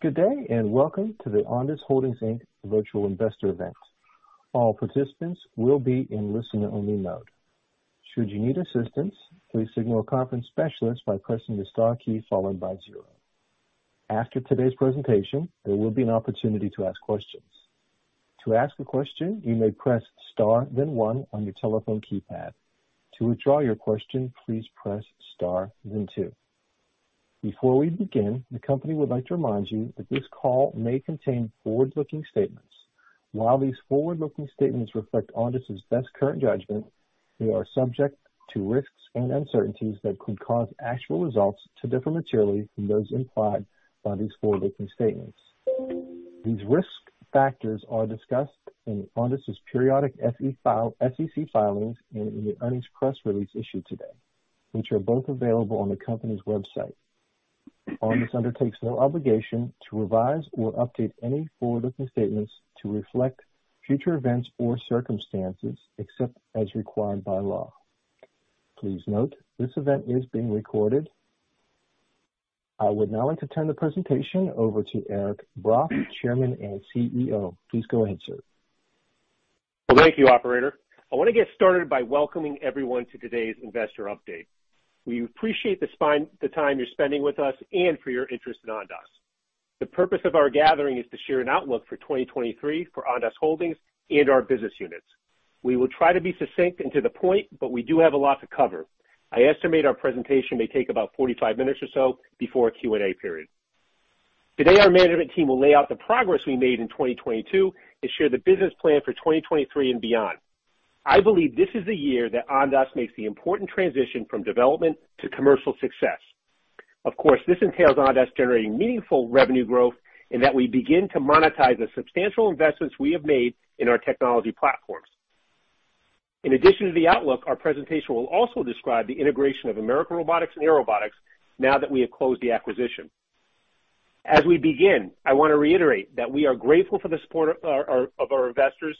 Good day, welcome to the Ondas Holdings Inc. Virtual Investor Event. All participants will be in listen-only mode. Should you need assistance, please signal a conference specialist by pressing the star key followed by zero. After today's presentation, there will be an opportunity to ask questions. To ask a question, you may press star then one on your telephone keypad. To withdraw your question, please press star then two. Before we begin, the company would like to remind you that this call may contain forward-looking statements. While these forward-looking statements reflect Ondas's best current judgment, they are subject to risks and uncertainties that could cause actual results to differ materially from those implied by these forward-looking statements. These risk factors are discussed in Ondas's periodic FCC filings and in the earnings press release issued today, which are both available on the company's website. Ondas undertakes no obligation to revise or update any forward-looking statements to reflect future events or circumstances except as required by law. Please note, this event is being recorded. I would now like to turn the presentation over to Eric Brock, Chairman and CEO. Please go ahead, sir. Well, thank you, operator. I want to get started by welcoming everyone to today's investor update. We appreciate the time you're spending with us and for your interest in Ondas. The purpose of our gathering is to share an outlook for 2023 for Ondas Holdings and our business units. We will try to be succinct and to the point. We do have a lot to cover. I estimate our presentation may take about 45 minutes or so before a Q&A period. Today, our management team will lay out the progress we made in 2022 and share the business plan for 2023 and beyond. I believe this is the year that Ondas makes the important transition from development to commercial success. Of course, this entails Ondas generating meaningful revenue growth and that we begin to monetize the substantial investments we have made in our technology platforms. In addition to the outlook, our presentation will also describe the integration of American Robotics and Airobotics now that we have closed the acquisition. As we begin, I want to reiterate that we are grateful for the support of our investors.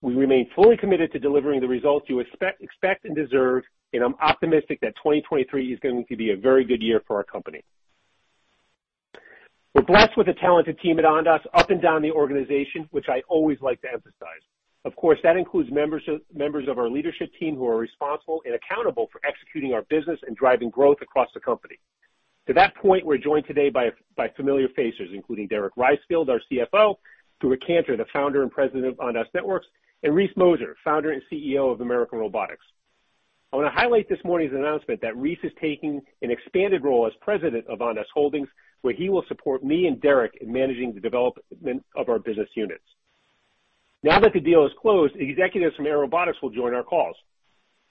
We remain fully committed to delivering the results you expect and deserve, I'm optimistic that 2023 is going to be a very good year for our company. We're blessed with a talented team at Ondas up and down the organization, which I always like to emphasize. Of course, that includes members of our leadership team who are responsible and accountable for executing our business and driving growth across the company. To that point, we're joined today by familiar faces, including Derek Reisfield, our CFO, Stewart Kantor, the founder and President of Ondas Networks, Reese Mozer, founder and CEO of American Robotics. I wanna highlight this morning's announcement that Reese is taking an expanded role as President of Ondas Holdings, where he will support me and Derek in managing the development of our business units. Now that the deal is closed, executives from Airobotics will join our calls.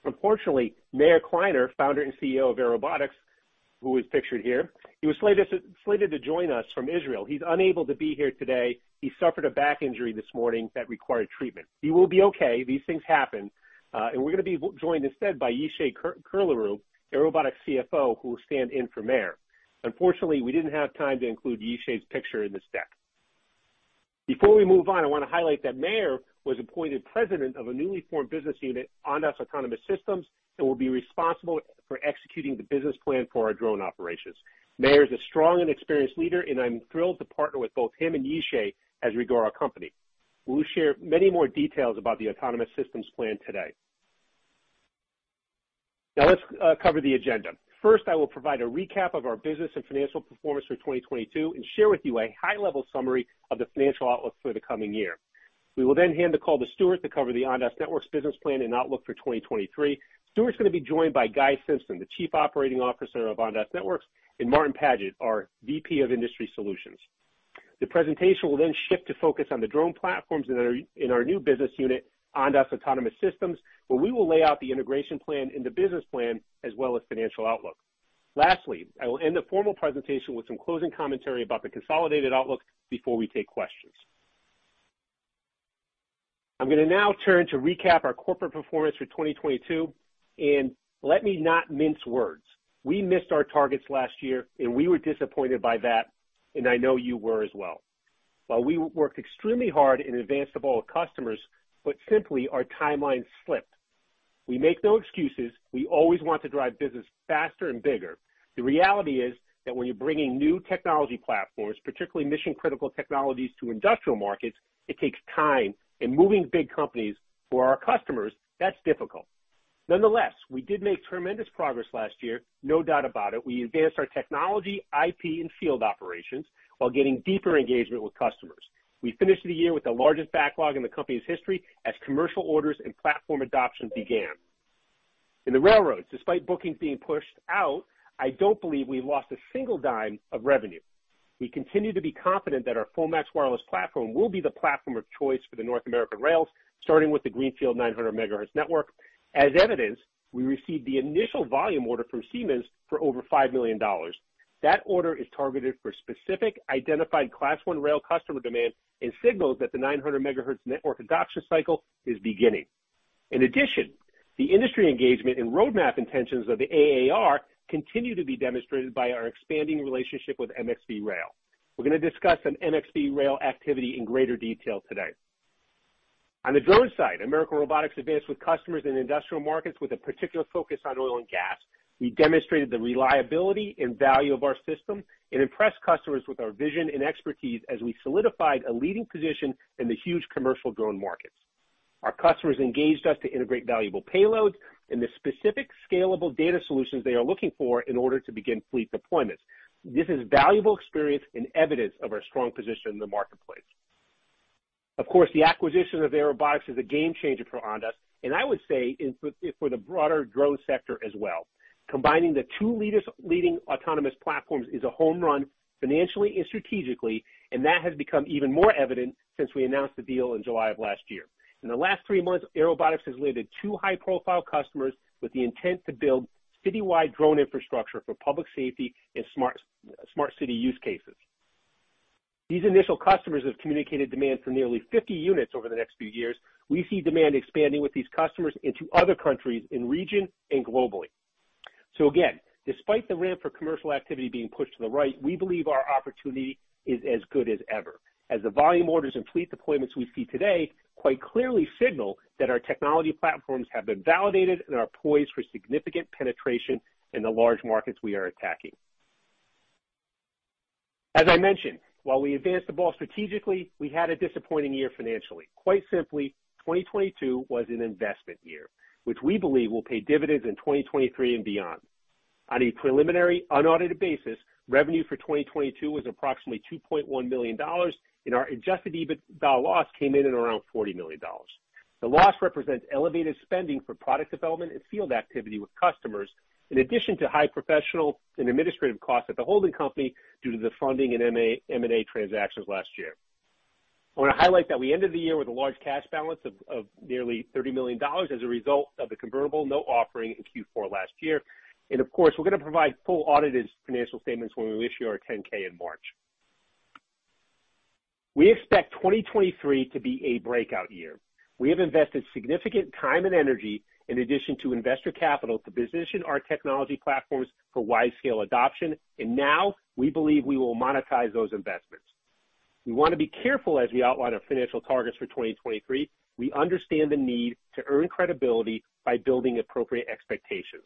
Meir Kliner, founder and CEO of Airobotics, who is pictured here, he was slated to join us from Israel. He's unable to be here today. He suffered a back injury this morning that required treatment. He will be okay. These things happen. We're gonna be joined instead by Yishay Curelaru, Airobotics CFO, who will stand in for Meir. We didn't have time to include Yishay's picture in this deck. Before we move on, I wanna highlight that Meir was appointed president of a newly formed business unit, Ondas Autonomous Systems, and will be responsible for executing the business plan for our drone operations. Meir is a strong and experienced leader, and I'm thrilled to partner with both him and Yishay as we grow our company. We'll share many more details about the autonomous systems plan today. Let's cover the agenda. First, I will provide a recap of our business and financial performance for 2022 and share with you a high-level summary of the financial outlook for the coming year. We will then hand the call to Stewart to cover the Ondas Networks business plan and outlook for 2023. Stewart's gonna be joined by Guy Simpson, the Chief Operating Officer of Ondas Networks, and Martin Paget, our VP of Industry Solutions. The presentation will shift to focus on the drone platforms in our new business unit, Ondas Autonomous Systems, where we will lay out the integration plan and the business plan as well as financial outlook. I will end the formal presentation with some closing commentary about the consolidated outlook before we take questions. I'm gonna now turn to recap our corporate performance for 2022. Let me not mince words. We missed our targets last year, and we were disappointed by that, and I know you were as well. While we worked extremely hard in advance of all our customers, but simply our timeline slipped. We make no excuses. We always want to drive business faster and bigger. The reality is that when you're bringing new technology platforms, particularly mission-critical technologies to industrial markets, it takes time. Moving big companies for our customers, that's difficult. Nonetheless, we did make tremendous progress last year, no doubt about it. We advanced our technology, IP, and field operations while getting deeper engagement with customers. We finished the year with the largest backlog in the company's history as commercial orders and platform adoption began. In the railroads, despite bookings being pushed out, I don't believe we lost a single dime of revenue. We continue to be confident that our FullMAX wireless platform will be the platform of choice for the North American rails, starting with the Greenfield 900 MHz network. As evidenced, we received the initial volume order from Siemens for over $5 million. That order is targeted for specific identified Class I rail customer demand and signals that the 900 MHz network adoption cycle is beginning. In addition, the industry engagement and roadmap intentions of the AAR continue to be demonstrated by our expanding relationship with MxV Rail. We're gonna discuss some MxV Rail activity in greater detail today. On the drone side, American Robotics advanced with customers in industrial markets with a particular focus on oil and gas. We demonstrated the reliability and value of our system and impressed customers with our vision and expertise as we solidified a leading position in the huge commercial drone markets. Our customers engaged us to integrate valuable payloads in the specific scalable data solutions they are looking for in order to begin fleet deployments. This is valuable experience and evidence of our strong position in the marketplace. Of course, the acquisition of Airobotics is a game changer for Ondas, and I would say for the broader drone sector as well. Combining the two leading autonomous platforms is a home run financially and strategically, and that has become even more evident since we announced the deal in July of last year. In the last three months, Airobotics has landed two high-profile customers with the intent to build citywide drone infrastructure for public safety and smart city use cases. These initial customers have communicated demand for nearly 50 units over the next few years. We see demand expanding with these customers into other countries, in region and globally. Despite the ramp for commercial activity being pushed to the right, we believe our opportunity is as good as ever, as the volume orders and fleet deployments we see today quite clearly signal that our technology platforms have been validated and are poised for significant penetration in the large markets we are attacking. As I mentioned, while we advanced the ball strategically, we had a disappointing year financially. Quite simply, 2022 was an investment year, which we believe will pay dividends in 2023 and beyond. On a preliminary unaudited basis, revenue for 2022 was approximately $2.1 million, and our adjusted EBITDA loss came in at around $40 million. The loss represents elevated spending for product development and field activity with customers, in addition to high professional and administrative costs at the holding company due to the funding and M&A transactions last year. I wanna highlight that we ended the year with a large cash balance of nearly $30 million as a result of the convertible note offering in Q4 last year. Of course, we're gonna provide full audited financial statements when we issue our 10-K in March. We expect 2023 to be a breakout year. We have invested significant time and energy in addition to investor capital, to position our technology platforms for widescale adoption, and now we believe we will monetize those investments. We wanna be careful as we outline our financial targets for 2023. We understand the need to earn credibility by building appropriate expectations.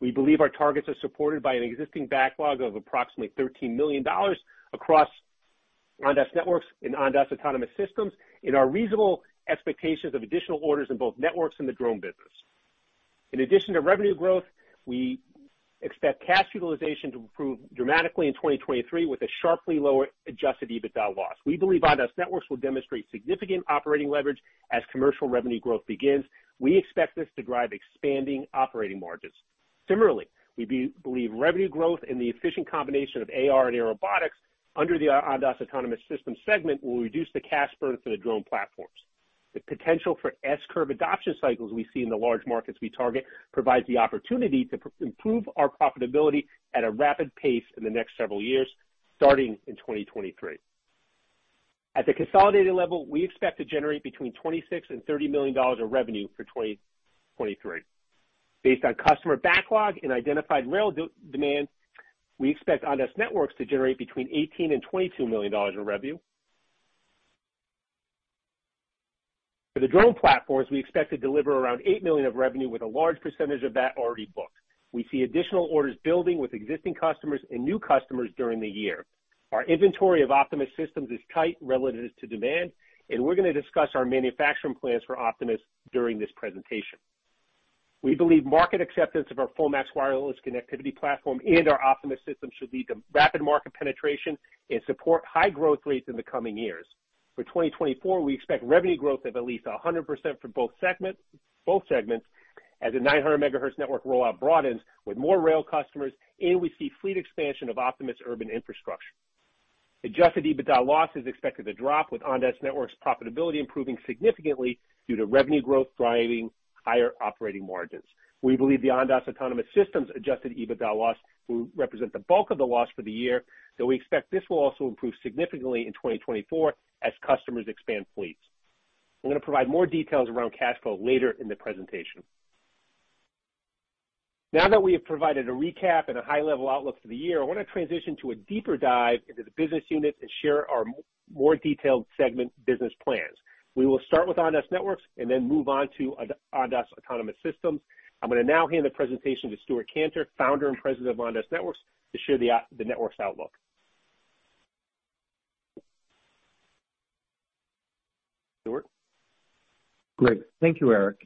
We believe our targets are supported by an existing backlog of approximately $13 million across Ondas Networks and Ondas Autonomous Systems and our reasonable expectations of additional orders in both networks and the drone business. In addition to revenue growth, we expect cash utilization to improve dramatically in 2023 with a sharply lower adjusted EBITDA loss. We believe Ondas Networks will demonstrate significant operating leverage as commercial revenue growth begins. We expect this to drive expanding operating margins. Similarly, we believe revenue growth and the efficient combination of AR and Airobotics under the Ondas Autonomous Systems segment will reduce the cash burn for the drone platforms. The potential for S-curve adoption cycles we see in the large markets we target provides the opportunity to improve our profitability at a rapid pace in the next several years, starting in 2023. At the consolidated level, we expect to generate between $26 million and $30 million of revenue for 2023. Based on customer backlog and identified rail demand, we expect Ondas Networks to generate between $18 million and $22 million in revenue. For the drone platforms, we expect to deliver around $8 million of revenue, with a large percentage of that already booked. We see additional orders building with existing customers and new customers during the year. Our inventory of Optimus systems is tight relative to demand. We're gonna discuss our manufacturing plans for Optimus during this presentation. We believe market acceptance of our FullMAX wireless connectivity platform and our Optimus system should lead to rapid market penetration and support high growth rates in the coming years. For 2024, we expect revenue growth of at least 100% for both segments as the 900 MHz network rollout broadens with more rail customers, and we see fleet expansion of Optimus urban infrastructure. Adjusted EBITDA loss is expected to drop with Ondas Networks profitability improving significantly due to revenue growth driving higher operating margins. We believe the Ondas Autonomous Systems adjusted EBITDA loss will represent the bulk of the loss for the year, though we expect this will also improve significantly in 2024 as customers expand fleets. I'm gonna provide more details around cash flow later in the presentation. Now that we have provided a recap and a high-level outlook for the year, I wanna transition to a deeper dive into the business unit and share our more detailed segment business plans. We will start with Ondas Networks and then move on to Ondas Autonomous Systems. I'm gonna now hand the presentation to Stewart Kantor, founder and president of Ondas Networks, to share the networks outlook. Stewart? Great. Thank you, Eric.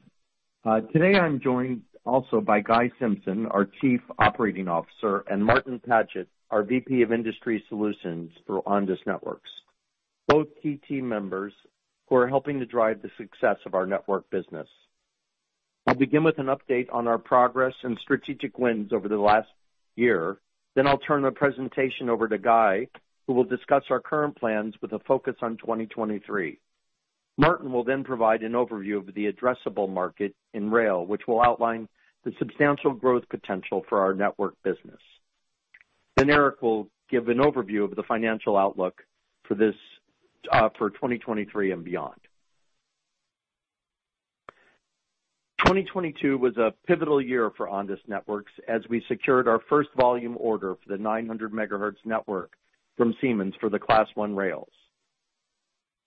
Today I'm joined also by Guy Simpson, our Chief Operating Officer, and Martin Paget, our VP of Industry Solutions for Ondas Networks, both key team members who are helping to drive the success of our network business. I'll begin with an update on our progress and strategic wins over the last year. I'll turn the presentation over to Guy, who will discuss our current plans with a focus on 2023. Martin will provide an overview of the addressable market in rail, which will outline the substantial growth potential for our network business. Eric will give an overview of the financial outlook for this for 2023 and beyond. 2022 was a pivotal year for Ondas Networks as we secured our first volume order for the 900 MHz network from Siemens for the Class I rails.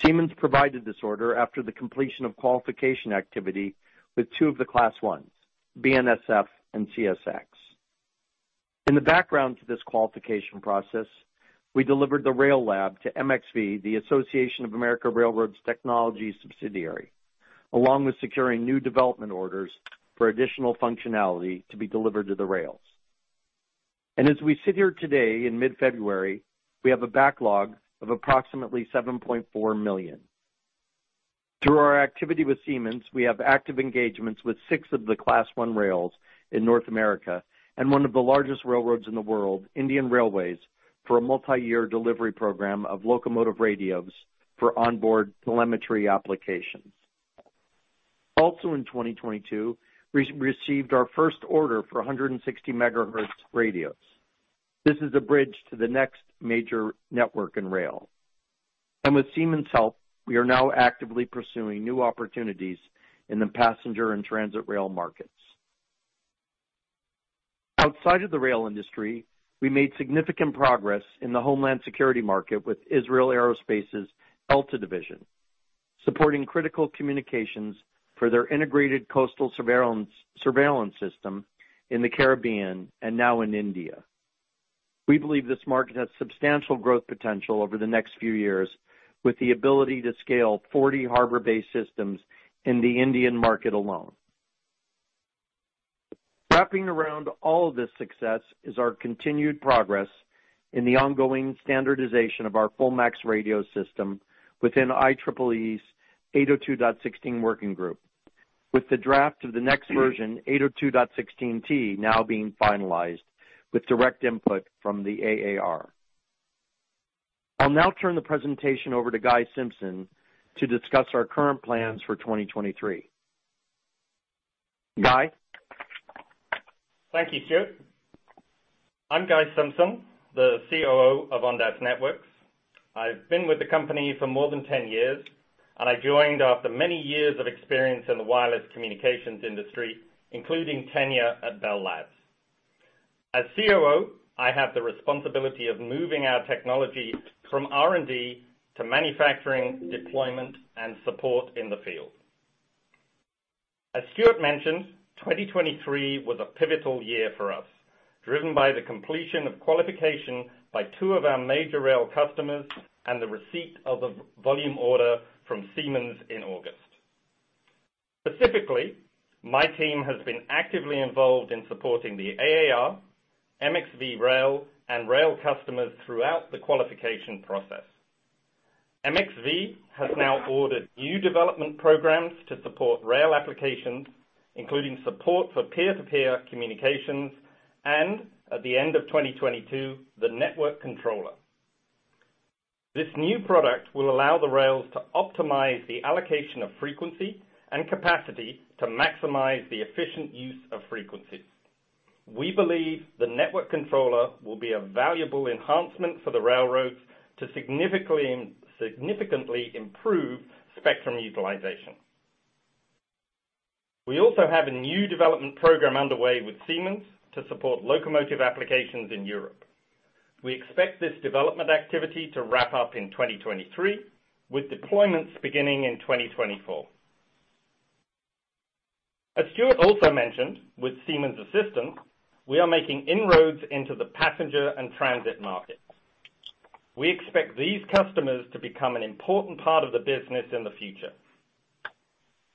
Siemens provided this order after the completion of qualification activity with two of the Class I, BNSF and CSX. In the background to this qualification process, we delivered the rail lab to MxV Rail, the Association of American Railroads Technology Subsidiary, along with securing new development orders for additional functionality to be delivered to the rails. As we sit here today in mid-February, we have a backlog of approximately $7.4 million. Through our activity with Siemens, we have active engagements with six of the Class I rails in North America and one of the largest railroads in the world, Indian Railways, for a multi-year delivery program of locomotive radios for onboard telemetry applications. Also in 2022, we received our first order for 160 MHz radios. This is a bridge to the next major network in rail. With Siemens help, we are now actively pursuing new opportunities in the passenger and transit rail markets. Outside of the rail industry, we made significant progress in the Homeland Security market with Israel Aerospace's ELTA Division, supporting critical communications for their integrated coastal surveillance system in the Caribbean and now in India. We believe this market has substantial growth potential over the next few years, with the ability to scale 40 harbor-based systems in the Indian market alone. Wrapping around all of this success is our continued progress in the ongoing standardization of our FullMAX radio system within IEEE's 802.16 working group. With the draft of the next version, 802.16t, now being finalized with direct input from the AAR. I'll now turn the presentation over to Guy Simpson to discuss our current plans for 2023. Guy? Thank you, Stewart. I'm Guy Simpson, the COO of Ondas Networks. I've been with the company for more than 10 years, and I joined after many years of experience in the wireless communications industry, including tenure at Bell Labs. As COO, I have the responsibility of moving our technology from R&D to manufacturing, deployment, and support in the field. As Stewart mentioned, 2023 was a pivotal year for us, driven by the completion of qualification by two of our major rail customers and the receipt of a volume order from Siemens in August. Specifically, my team has been actively involved in supporting the AAR, MxV Rail, and rail customers throughout the qualification process. MxV has now ordered new development programs to support rail applications, including support for peer-to-peer communications and at the end of 2022, the Network Controller. This new product will allow the rails to optimize the allocation of frequency and capacity to maximize the efficient use of frequencies. We believe the Network Controller will be a valuable enhancement for the railroads to significantly improve spectrum utilization. We also have a new development program underway with Siemens to support locomotive applications in Europe. We expect this development activity to wrap up in 2023, with deployments beginning in 2024. As Stewart also mentioned, with Siemens assistance, we are making inroads into the passenger and transit markets. We expect these customers to become an important part of the business in the future.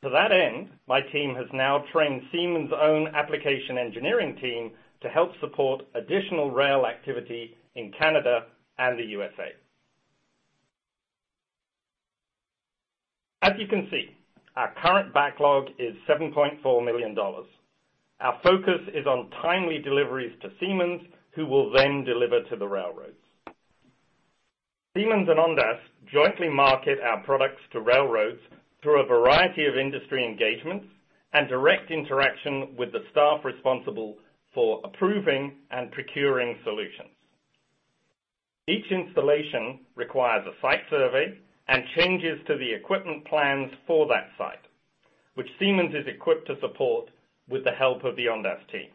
To that end, my team has now trained Siemens' own application engineering team to help support additional rail activity in Canada and the USA. As you can see, our current backlog is $7.4 million. Our focus is on timely deliveries to Siemens, who will then deliver to the railroads. Siemens and Ondas jointly market our products to railroads through a variety of industry engagements and direct interaction with the staff responsible for approving and procuring solutions. Each installation requires a site survey and changes to the equipment plans for that site, which Siemens is equipped to support with the help of the Ondas team.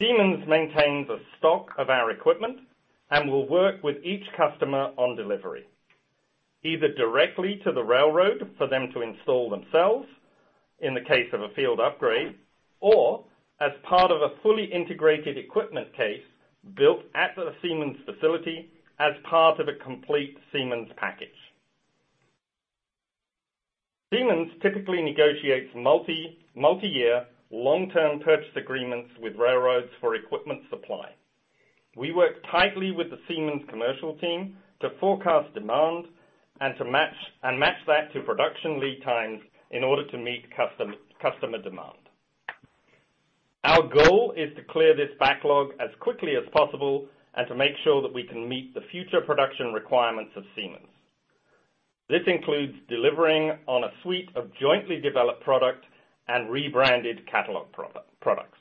Siemens maintains a stock of our equipment and will work with each customer on delivery, either directly to the railroad for them to install themselves, in the case of a field upgrade, or as part of a fully integrated equipment case built at the Siemens facility as part of a complete Siemens package. Siemens typically negotiates multi-year long-term purchase agreements with railroads for equipment supply. We work tightly with the Siemens commercial team to forecast demand and to match that to production lead times in order to meet customer demand. Our goal is to clear this backlog as quickly as possible and to make sure that we can meet the future production requirements of Siemens. This includes delivering on a suite of jointly developed product and rebranded catalog products.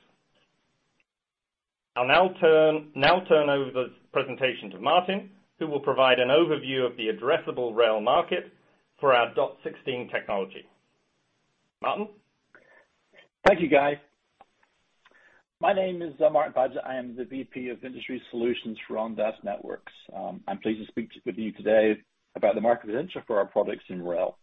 I'll now turn over the presentation to Martin, who will provide an overview of the addressable rail market for our dot16 technology. Martin? Thank you, Guy. My name is Martin Paget. I am the VP of Industry Solutions for Ondas Networks. I'm pleased to speak with you today about the market potential for our products in rail.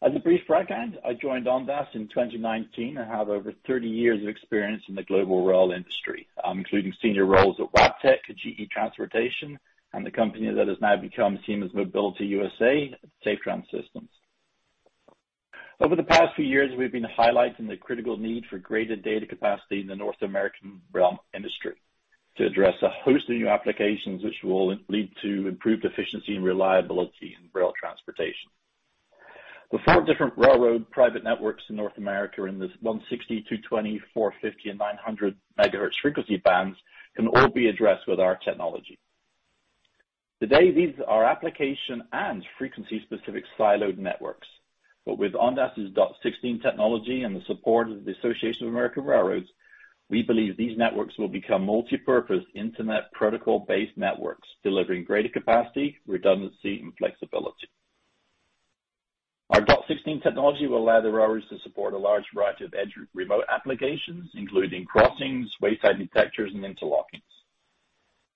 As a brief background, I joined Ondas in 2019. I have over 30 years of experience in the global rail industry, including senior roles at Wabtec, GE Transportation, and the company that has now become Siemens Mobility, Safetran Systems. Over the past few years, we've been highlighting the critical need for greater data capacity in the North American rail industry to address a host of new applications which will lead to improved efficiency and reliability in rail transportation. The four different railroad private networks in North America in this 160 MHz, 220 MHz, 450 MHz, and 900 MHz frequency bands can all be addressed with our technology. Today, these are application and frequency-specific siloed networks. With Ondas dot16 technology and the support of the Association of American Railroads, we believe these networks will become multipurpose Internet Protocol-based networks, delivering greater capacity, redundancy, and flexibility. Our dot16 technology will allow the railroads to support a large variety of edge remote applications, including crossings, wayside detectors, and interlockings.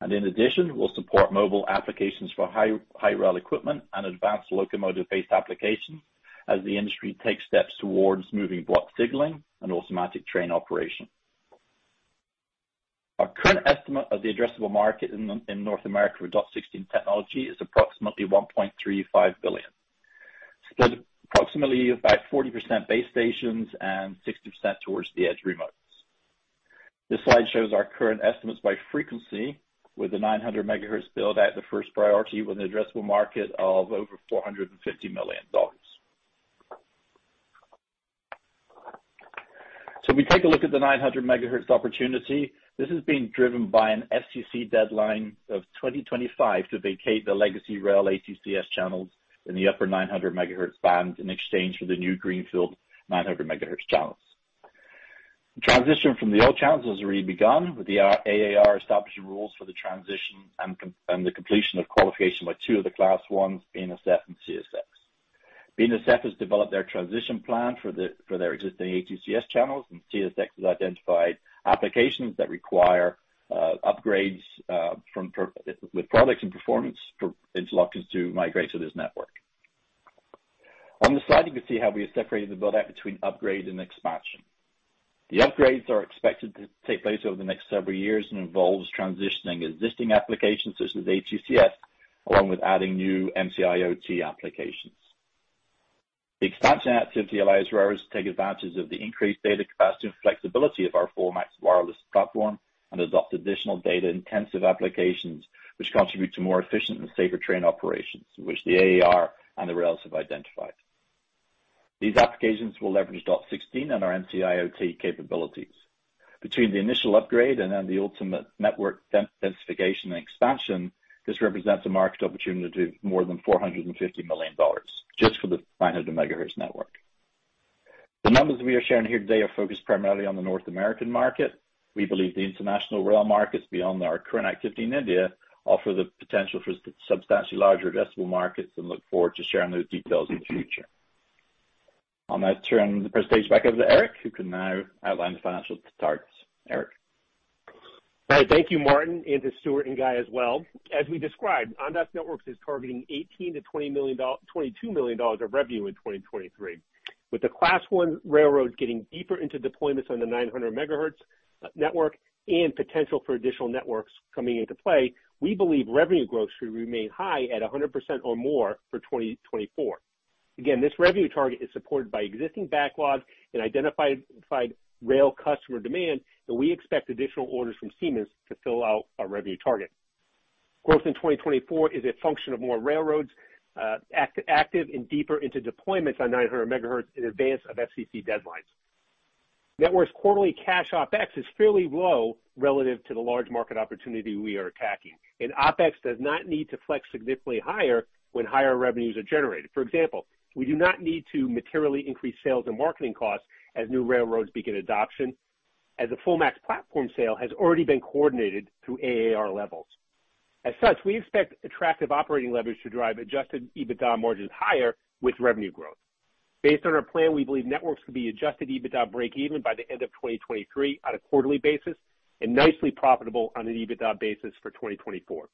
In addition, we'll support mobile applications for high rail equipment and advanced locomotive-based applications as the industry takes steps towards moving block signalling and automatic train operation. Our current estimate of the addressable market in North America for dot16 technology is approximately $1.35 billion, spent approximately about 40% base stations and 60% towards the edge remotes. This slide shows our current estimates by frequency, with the 900 MHz build-out the first priority with an addressable market of over $450 million. When we take a look at the 900 MHz opportunity, this is being driven by an FCC deadline of 2025 to vacate the legacy rail ATCS channels in the upper 900 MHz band in exchange for the new greenfield 900 MHz channels. The transition from the old channels has already begun, with the AAR establishing rules for the transition and the completion of qualification by two of the Class Is, BNSF and CSX. BNSF has developed their transition plan for their existing ATCS channels, and CSX has identified applications that require upgrades with products and performance for interlockings to migrate to this network. On this slide, you can see how we have separated the build-out between upgrade and expansion. The upgrades are expected to take place over the next several years and involves transitioning existing applications such as ATCS, along with adding new MC-IoT applications. The expansion activity allows railroads to take advantage of the increased data capacity and flexibility of our FullMAX wireless platform and adopt additional data-intensive applications which contribute to more efficient and safer train operations, which the AAR and the railroads have identified. These applications will leverage dot16 and our MC-IoT capabilities. Between the initial upgrade and then the ultimate network densification and expansion, this represents a market opportunity of more than $450 million just for the 900 MHz network. The numbers we are sharing here today are focused primarily on the North American market. We believe the international rail markets beyond our current activity in India offer the potential for substantially larger addressable markets and look forward to sharing those details in the future. I'll now turn the presentation back over to Eric, who can now outline the financial targets. Eric? All right. Thank you, Martin, and to Stewart and Guy as well. As we described, Ondas Networks is targeting $18 million-$22 million of revenue in 2023. With the Class I railroads getting deeper into deployments on the 900 MHz network and potential for additional networks coming into play, we believe revenue growth should remain high at 100% or more for 2024. This revenue target is supported by existing backlogs and identified rail customer demand, and we expect additional orders from Siemens to fill out our revenue target. Growth in 2024 is a function of more railroads, active and deeper into deployments on 900 MHz in advance of FCC deadlines. Networks' quarterly cash OpEx is fairly low relative to the large market opportunity we are attacking, and OpEx does not need to flex significantly higher when higher revenues are generated. For example, we do not need to materially increase sales and marketing costs as new railroads begin adoption, as a FullMAX platform sale has already been coordinated through AAR levels. As such, we expect attractive operating leverage to drive adjusted EBITDA margins higher with revenue growth. Based on our plan, we believe Networks could be adjusted EBITDA break even by the end of 2023 on a quarterly basis and nicely profitable on an EBITDA basis for 2024.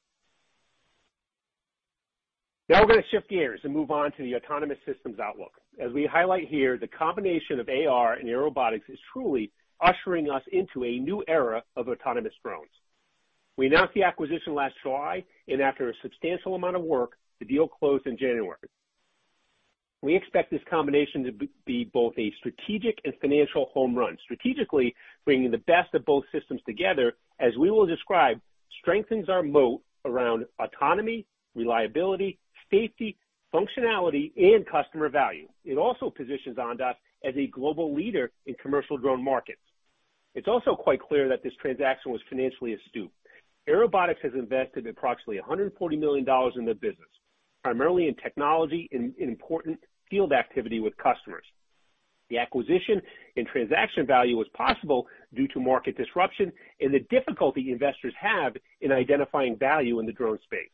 Now we're gonna shift gears and move on to the Autonomous Systems outlook. As we highlight here, the combination of AR and Airobotics is truly ushering us into a new era of autonomous drones. We announced the acquisition last July. After a substantial amount of work, the deal closed in January. We expect this combination to be both a strategic and financial home run, strategically bringing the best of both systems together, as we will describe, strengthens our moat around autonomy, reliability, safety, functionality, and customer value. It's also quite clear that this transaction was financially astute. Airobotics has invested approximately $140 million in the business. Primarily in technology and important field activity with customers. The acquisition and transaction value was possible due to market disruption and the difficulty investors have in identifying value in the drone space.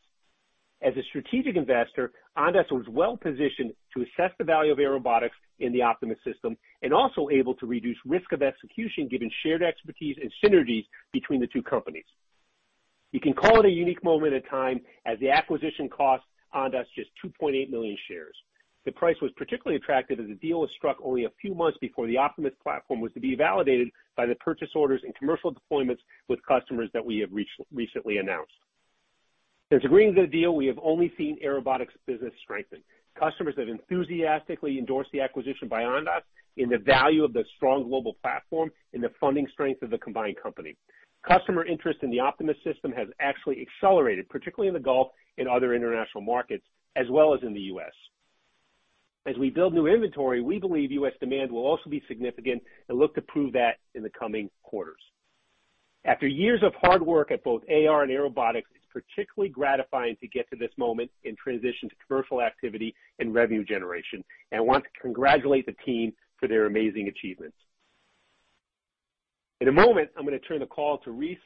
As a strategic investor, Ondas was well-positioned to assess the value of Airobotics in the Optimus system and also able to reduce risk of execution given shared expertise and synergies between the two companies. You can call it a unique moment in time as the acquisition cost Ondas just 2.8 million shares. The price was particularly attractive as the deal was struck only a few months before the Optimus platform was to be validated by the purchase orders and commercial deployments with customers that we have recently announced. Since agreeing to the deal, we have only seen Airobotics' business strengthen. Customers have enthusiastically endorsed the acquisition by Ondas in the value of the strong global platform and the funding strength of the combined company. Customer interest in the Optimus system has actually accelerated, particularly in the Gulf and other international markets, as well as in the U.S. As we build new inventory, we believe U.S. demand will also be significant and look to prove that in the coming quarters. After years of hard work at both AR and Airobotics, it's particularly gratifying to get to this moment and transition to commercial activity and revenue generation, and I want to congratulate the team for their amazing achievements. In a moment, I'm gonna turn the call to Reese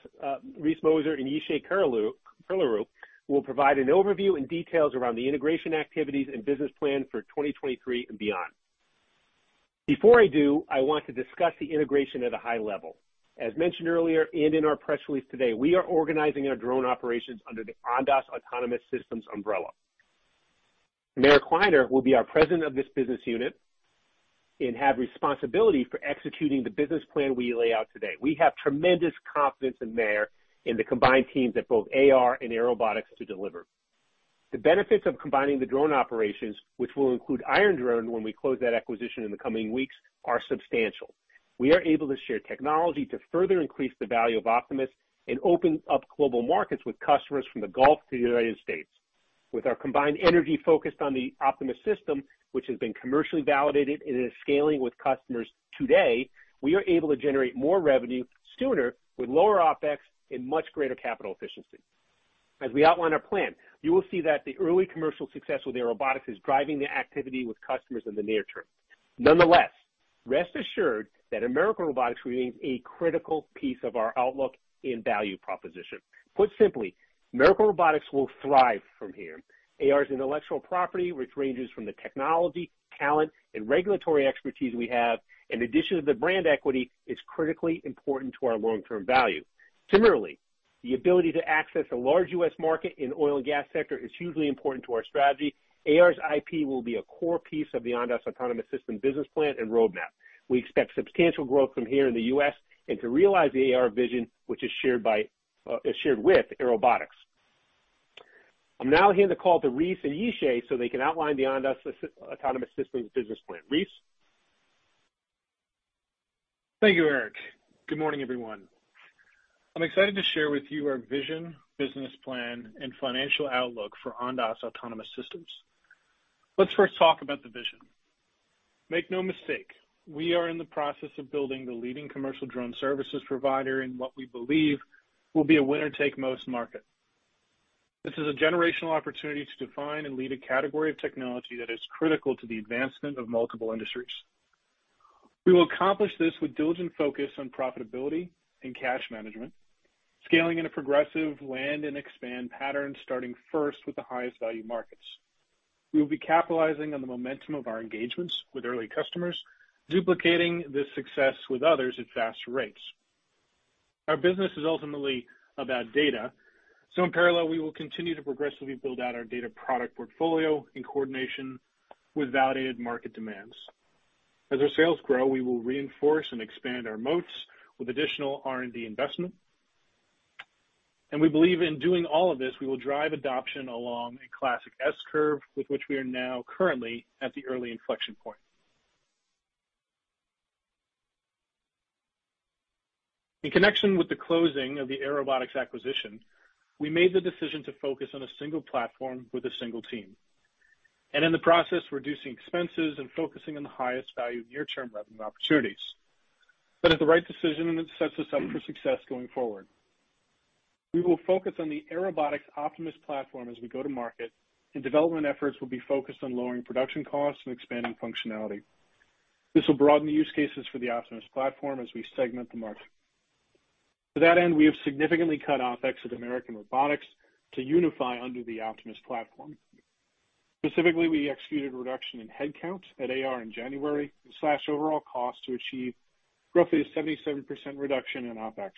Mozer and Yishay Curelaru who will provide an overview and details around the integration activities and business plan for 2023 and beyond. Before I do, I want to discuss the integration at a high level. As mentioned earlier and in our press release today, we are organizing our drone operations under the Ondas Autonomous Systems umbrella. Meir Kliner will be our president of this business unit and have responsibility for executing the business plan we lay out today. We have tremendous confidence in Meir Kliner in the combined teams at both AR and Airobotics to deliver. The benefits of combining the drone operations, which will include Iron Drone when we close that acquisition in the coming weeks, are substantial. We are able to share technology to further increase the value of Optimus and open up global markets with customers from the Gulf to the United States. With our combined energy focused on the Optimus system, which has been commercially validated and is scaling with customers today, we are able to generate more revenue sooner with lower OpEx and much greater capital efficiency. As we outline our plan, you will see that the early commercial success with Airobotics is driving the activity with customers in the near term. Nonetheless, rest assured that American Robotics remains a critical piece of our outlook and value proposition. Put simply, American Robotics will thrive from here. AR's intellectual property, which ranges from the technology, talent, and regulatory expertise we have, in addition to the brand equity, is critically important to our long-term value. Similarly, the ability to access a large U.S. market in oil and gas sector is hugely important to our strategy. AR's IP will be a core piece of the Ondas Autonomous Systems business plan and roadmap. We expect substantial growth from here in the U.S. and to realize the AR vision, which is shared with Airobotics. I'll now hand the call to Reese and Yishay so they can outline the Ondas Autonomous Systems business plan. Reese? Thank you, Eric. Good morning, everyone. I'm excited to share with you our vision, business plan, and financial outlook for Ondas Autonomous Systems. Let's first talk about the vision. Make no mistake, we are in the process of building the leading commercial drone services provider in what we believe will be a winner-take-most market. This is a generational opportunity to define and lead a category of technology that is critical to the advancement of multiple industries. We will accomplish this with diligent focus on profitability and cash management, scaling in a progressive land and expand pattern, starting first with the highest value markets. We will be capitalizing on the momentum of our engagements with early customers, duplicating this success with others at faster rates. Our business is ultimately about data, so in parallel, we will continue to progressively build out our data product portfolio in coordination with validated market demands. As our sales grow, we will reinforce and expand our moats with additional R&D investment. We believe in doing all of this, we will drive adoption along a classic S-curve with which we are now currently at the early inflection point. In connection with the closing of the Airobotics acquisition, we made the decision to focus on a single platform with a single team, and in the process, reducing expenses and focusing on the highest value near-term revenue opportunities. That is the right decision, and it sets us up for success going forward. We will focus on the Airobotics Optimus platform as we go to market, and development efforts will be focused on lowering production costs and expanding functionality. This will broaden the use cases for the Optimus platform as we segment the market. To that end, we have significantly cut OpEx at American Robotics to unify under the Optimus platform. Specifically, we executed a reduction in headcount at AR in January to slash overall cost to achieve roughly a 77% reduction in OpEx.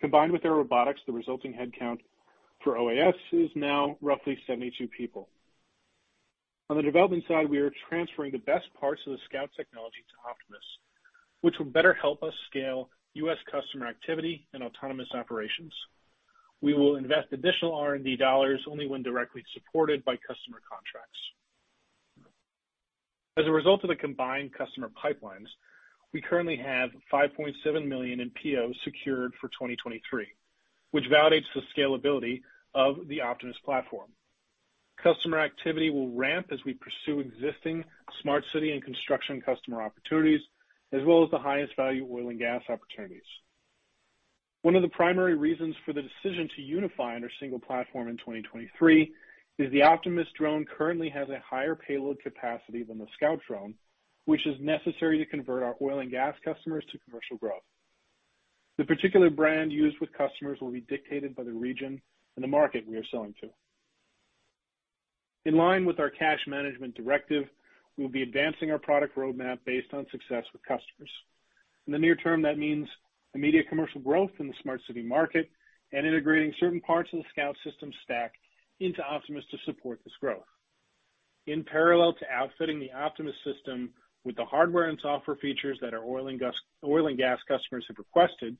Combined with Airobotics, the resulting headcount for OAS is now roughly 72 people. On the development side, we are transferring the best parts of the Scout technology to Optimus, which will better help us scale U.S. customer activity and autonomous operations. We will invest additional R&D dollars only when directly supported by customer contracts. As a result of the combined customer pipelines, we currently have $5.7 million in POs secured for 2023, which validates the scalability of the Optimus platform. Customer activity will ramp as we pursue existing smart city and construction customer opportunities, as well as the highest value oil and gas opportunities. One of the primary reasons for the decision to unify under single platform in 2023 is the Optimus drone currently has a higher payload capacity than the Scout drone, which is necessary to convert our oil and gas customers to commercial growth. The particular brand used with customers will be dictated by the region and the market we are selling to. In line with our cash management directive, we'll be advancing our product roadmap based on success with customers. In the near term, that means immediate commercial growth in the smart city market and integrating certain parts of the Scout System stack into Optimus to support this growth. In parallel to outfitting the Optimus system with the hardware and software features that our oil and gas customers have requested,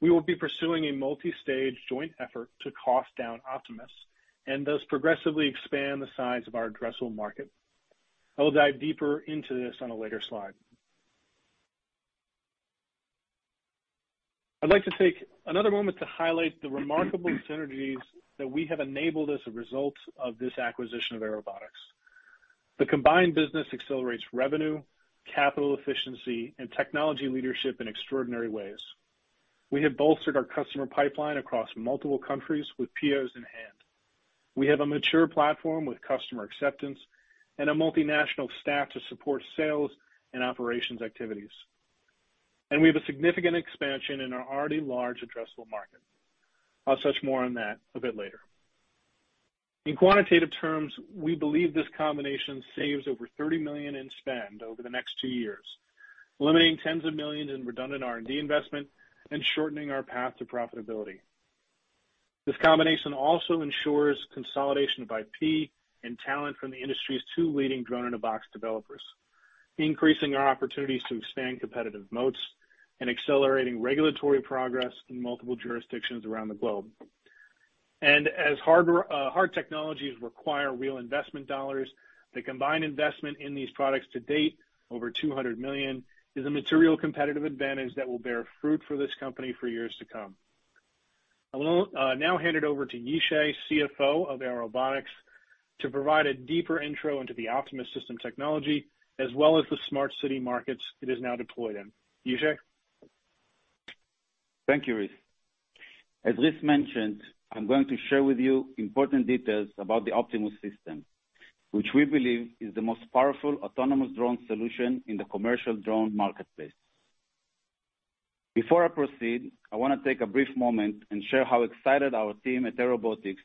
we will be pursuing a multi-stage joint effort to cost down Optimus and thus progressively expand the size of our addressable market. I will dive deeper into this on a later slide. I'd like to take another moment to highlight the remarkable synergies that we have enabled as a result of this acquisition of Airobotics. The combined business accelerates revenue, capital efficiency, and technology leadership in extraordinary ways. We have bolstered our customer pipeline across multiple countries with POs in hand. We have a mature platform with customer acceptance and a multinational staff to support sales and operations activities. We have a significant expansion in our already large addressable market. I'll touch more on that a bit later. In quantitative terms, we believe this combination saves over $30 million in spend over the next two years, eliminating tens of millions in redundant R&D investment and shortening our path to profitability. This combination also ensures consolidation of IP and talent from the industry's two leading drone-in-a-box developers, increasing our opportunities to expand competitive moats and accelerating regulatory progress in multiple jurisdictions around the globe. As hard technologies require real investment dollars, the combined investment in these products-to-date, over $200 million, is a material competitive advantage that will bear fruit for this company for years to come. I will now hand it over to Yishay, CFO of Airobotics, to provide a deeper intro into the Optimus system technology as well as the smart city markets it is now deployed in. Yishay? Thank you, Reese. As Reese mentioned, I wanna share with you important details about the Optimus system, which we believe is the most powerful autonomous drone solution in the commercial drone marketplace. Before I proceed, I wanna take a brief moment and share how excited our team at Airobotics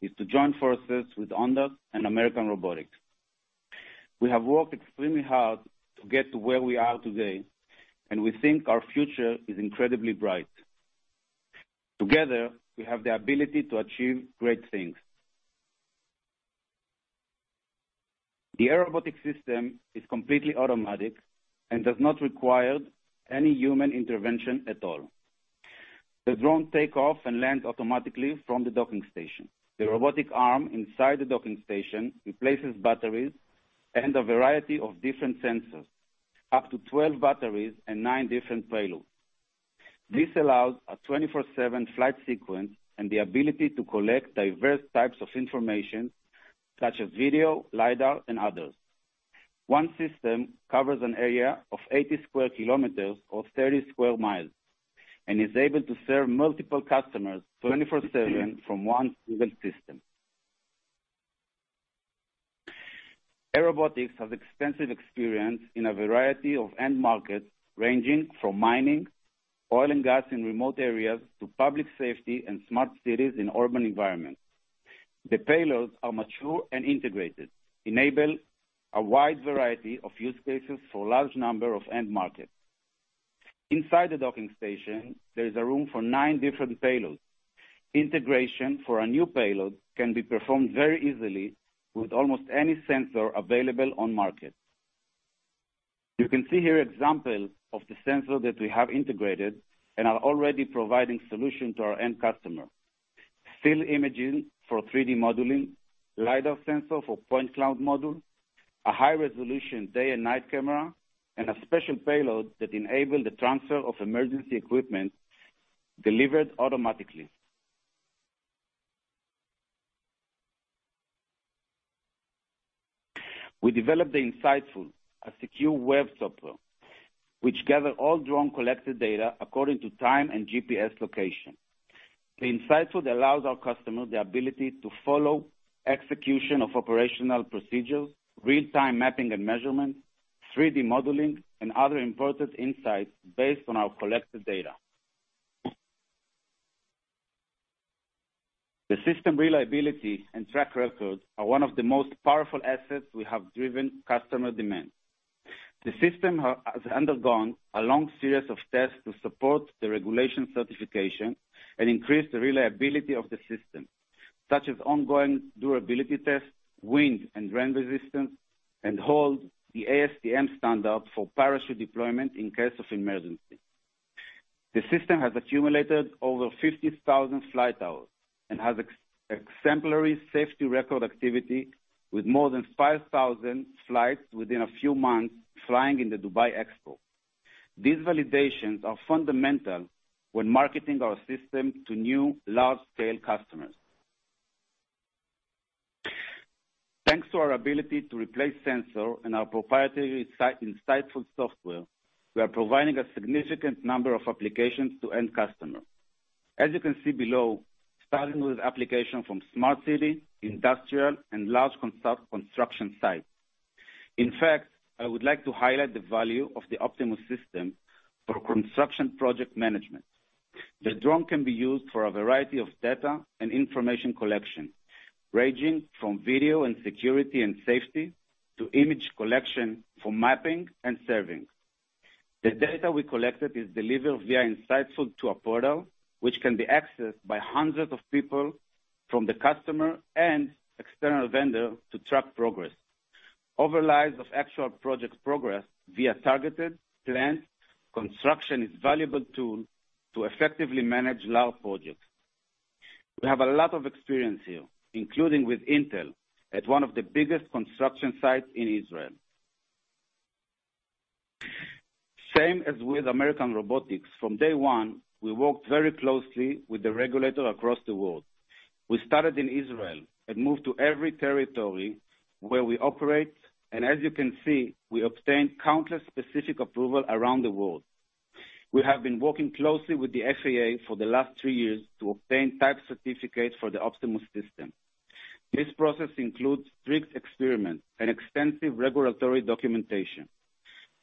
is to join forces with Ondas and American Robotics. We have worked extremely hard to get to where we are today. We think our future is incredibly bright. Together, we have the ability to achieve great things. The Airobotics system is completely automatic and does not require any human intervention at all. The drone take off and land automatically from the docking station. The robotic arm inside the docking station replaces batteries and a variety of different sensors, up to 12 batteries and nine different payloads. This allows a 24/7 flight sequence and the ability to collect diverse types of information such as video, lidar, and others. One system covers an area of 80 sq km or 30 sq mi and is able to serve multiple customers 24/7 from one single system. Airobotics has extensive experience in a variety of end markets, ranging from mining, oil and gas in remote areas, to public safety and smart cities in urban environments. The payloads are mature and integrated, enable a wide variety of use cases for large number of end markets. Inside the docking station, there is a room for nine different payloads. Integration for a new payload can be performed very easily with almost any sensor available on market. You can see here example of the sensor that we have integrated and are already providing solution to our end customer. Still imaging for 3D modeling, lidar sensor for point cloud model, a high resolution day and night camera, and a special payload that enable the transfer of emergency equipment delivered automatically. We developed the Insightful, a secure web software which gather all drone collected data according to time and GPS location. The Insightful allows our customers the ability to follow execution of operational procedures, real-time mapping and measurement, 3D modeling, and other important insights based on our collected data. The system reliability and track record are one of the most powerful assets we have driven customer demand. The system has undergone a long series of tests to support the regulation certification and increase the reliability of the system, such as ongoing durability test, wind and rain resistance, and hold the ASTM standard for parachute deployment in case of emergency. The system has accumulated over 50,000 flight hours and has exemplary safety record activity with more than 5,000 flights within a few months flying in the Dubai Expo. These validations are fundamental when marketing our system to new large-scale customers. Thanks to our ability to replace sensor and our proprietary Insightful software, we are providing a significant number of applications to end customer. As you can see below, starting with application from smart city, industrial, and large construction sites. In fact, I would like to highlight the value of the Optimus system for construction project management. The drone can be used for a variety of data and information collection, ranging from video and security and safety to image collection for mapping and surveying. The data we collected is delivered via Insightful to a portal which can be accessed by hundreds of people from the customer and external vendor to track progress. Overlies of actual project progress via targeted plans construction is valuable tool to effectively manage large projects. We have a lot of experience here, including with Intel, at one of the biggest construction sites in Israel. Same as with American Robotics, from day one, we worked very closely with the regulator across the world. We started in Israel and moved to every territory where we operate. As you can see, we obtained countless specific approval around the world. We have been working closely with the FAA for the last three years to obtain type certificate for the Optimus system. This process includes strict experiment and extensive regulatory documentation.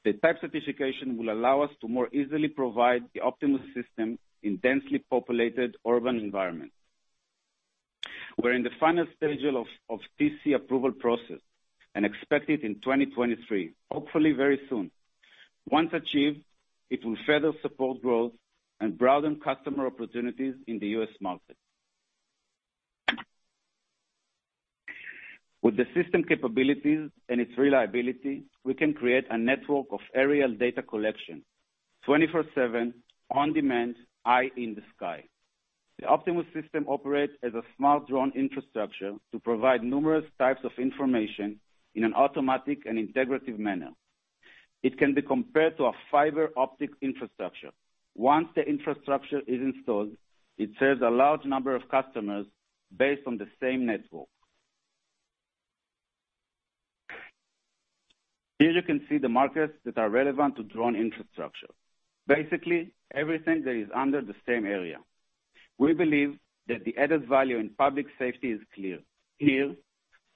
The type certification will allow us to more easily provide the Optimus system in densely populated urban environments. We're in the final stage of FCC approval process and expect it in 2023, hopefully very soon. Once achieved, it will further support growth and broaden customer opportunities in the U.S. market. With the system capabilities and its reliability, we can create a network of aerial data collection, 24/7, on-demand, eye in the sky. The Optimus system operates as a smart drone infrastructure to provide numerous types of information in an automatic and integrative manner. It can be compared to a fiber optic infrastructure. Once the infrastructure is installed, it serves a large number of customers based on the same network. Here you can see the markets that are relevant to drone infrastructure. Basically, everything that is under the same area. We believe that the added value in public safety is clear. Here,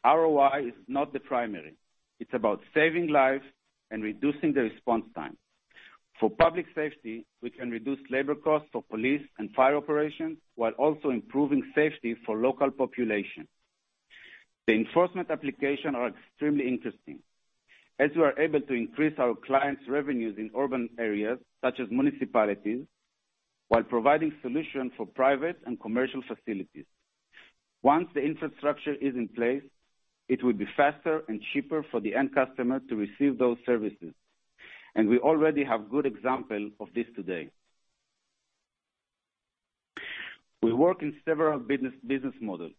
ROI is not the primary. It's about saving lives and reducing the response time. For public safety, we can reduce labor costs for police and fire operations, while also improving safety for local population. The enforcement application are extremely interesting, as we are able to increase our clients revenues in urban areas such as municipalities, while providing solutions for private and commercial facilities. Once the infrastructure is in place, it will be faster and cheaper for the end customer to receive those services. We already have good example of this today. We work in several business models.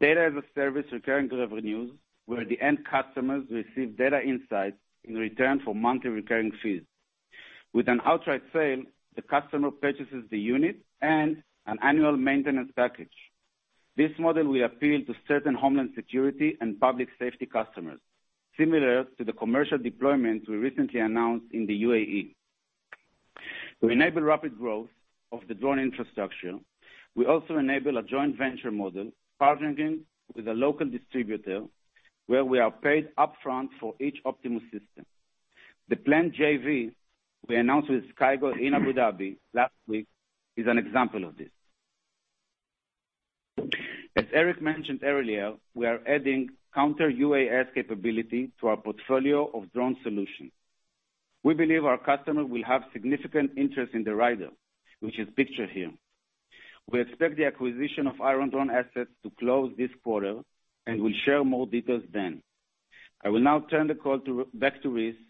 Data as a service recurring revenues, where the end customers receive data insights in return for monthly recurring fees. With an outright sale, the customer purchases the unit and an annual maintenance package. This model will appeal to certain homeland security and public safety customers, similar to the commercial deployment we recently announced in the UAE. To enable rapid growth of the drone infrastructure, we also enable a joint venture model, partnering with a local distributor, where we are paid upfront for each Optimus system. The planned JV we announced with SkyGo in Abu Dhabi last week is an example of this. As Eric mentioned earlier, we are adding counter-UAS capability to our portfolio of drone solutions. We believe our customers will have significant interest in the Raider, which is pictured here. We expect the acquisition of Iron Drone assets to close this quarter, and we'll share more details then. I will now turn the call back to Reese,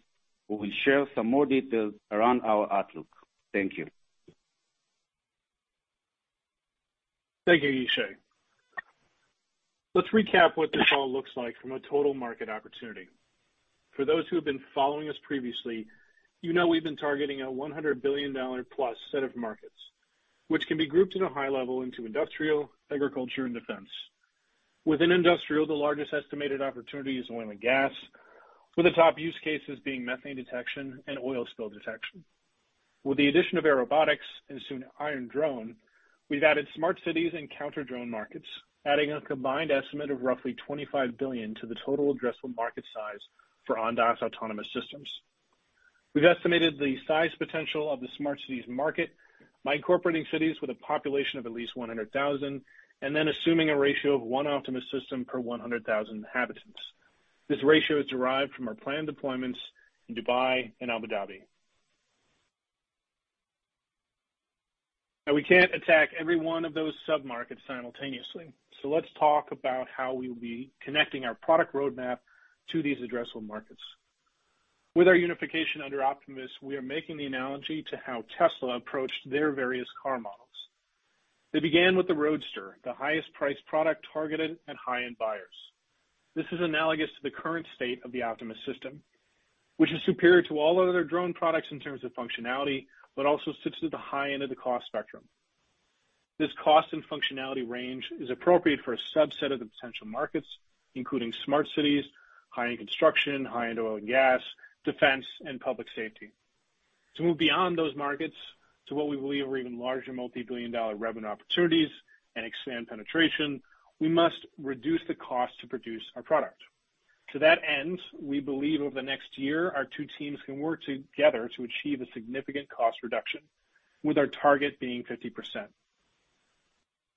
who will share some more details around our outlook. Thank you. Thank you, Yishay. Let's recap what this all looks like from a total market opportunity. For those who have been following us previously, you know we've been targeting a $100 billion+ set of markets, which can be grouped at a high level into industrial, agriculture, and defense. Within industrial, the largest estimated opportunity is oil and gas, with the top use cases being methane detection and oil spill detection. With the addition of Airobotics and soon Iron Drone, we've added smart cities and counter-drone markets, adding a combined estimate of roughly $25 billion to the total addressable market size for Ondas Autonomous Systems. We've estimated the size potential of the smart cities market by incorporating cities with a population of at least 100,000, and then assuming a ratio of one Optimus system per 100,000 inhabitants. This ratio is derived from our planned deployments in Dubai and Abu Dhabi. Now, we can't attack every one of those sub-markets simultaneously, so let's talk about how we will be connecting our product roadmap to these addressable markets. With our unification under Optimus, we are making the analogy to how Tesla approached their various car models. They began with the Roadster, the highest priced product targeted at high-end buyers. This is analogous to the current state of the Optimus system, which is superior to all other drone products in terms of functionality, but also sits at the high end of the cost spectrum. This cost and functionality range is appropriate for a subset of the potential markets, including smart cities, high-end construction, high-end oil and gas, defense, and public safety. To move beyond those markets to what we believe are even larger multi-billion dollar revenue opportunities and expand penetration, we must reduce the cost to produce our product. To that end, we believe over the next year, our two teams can work together to achieve a significant cost reduction, with our target being 50%.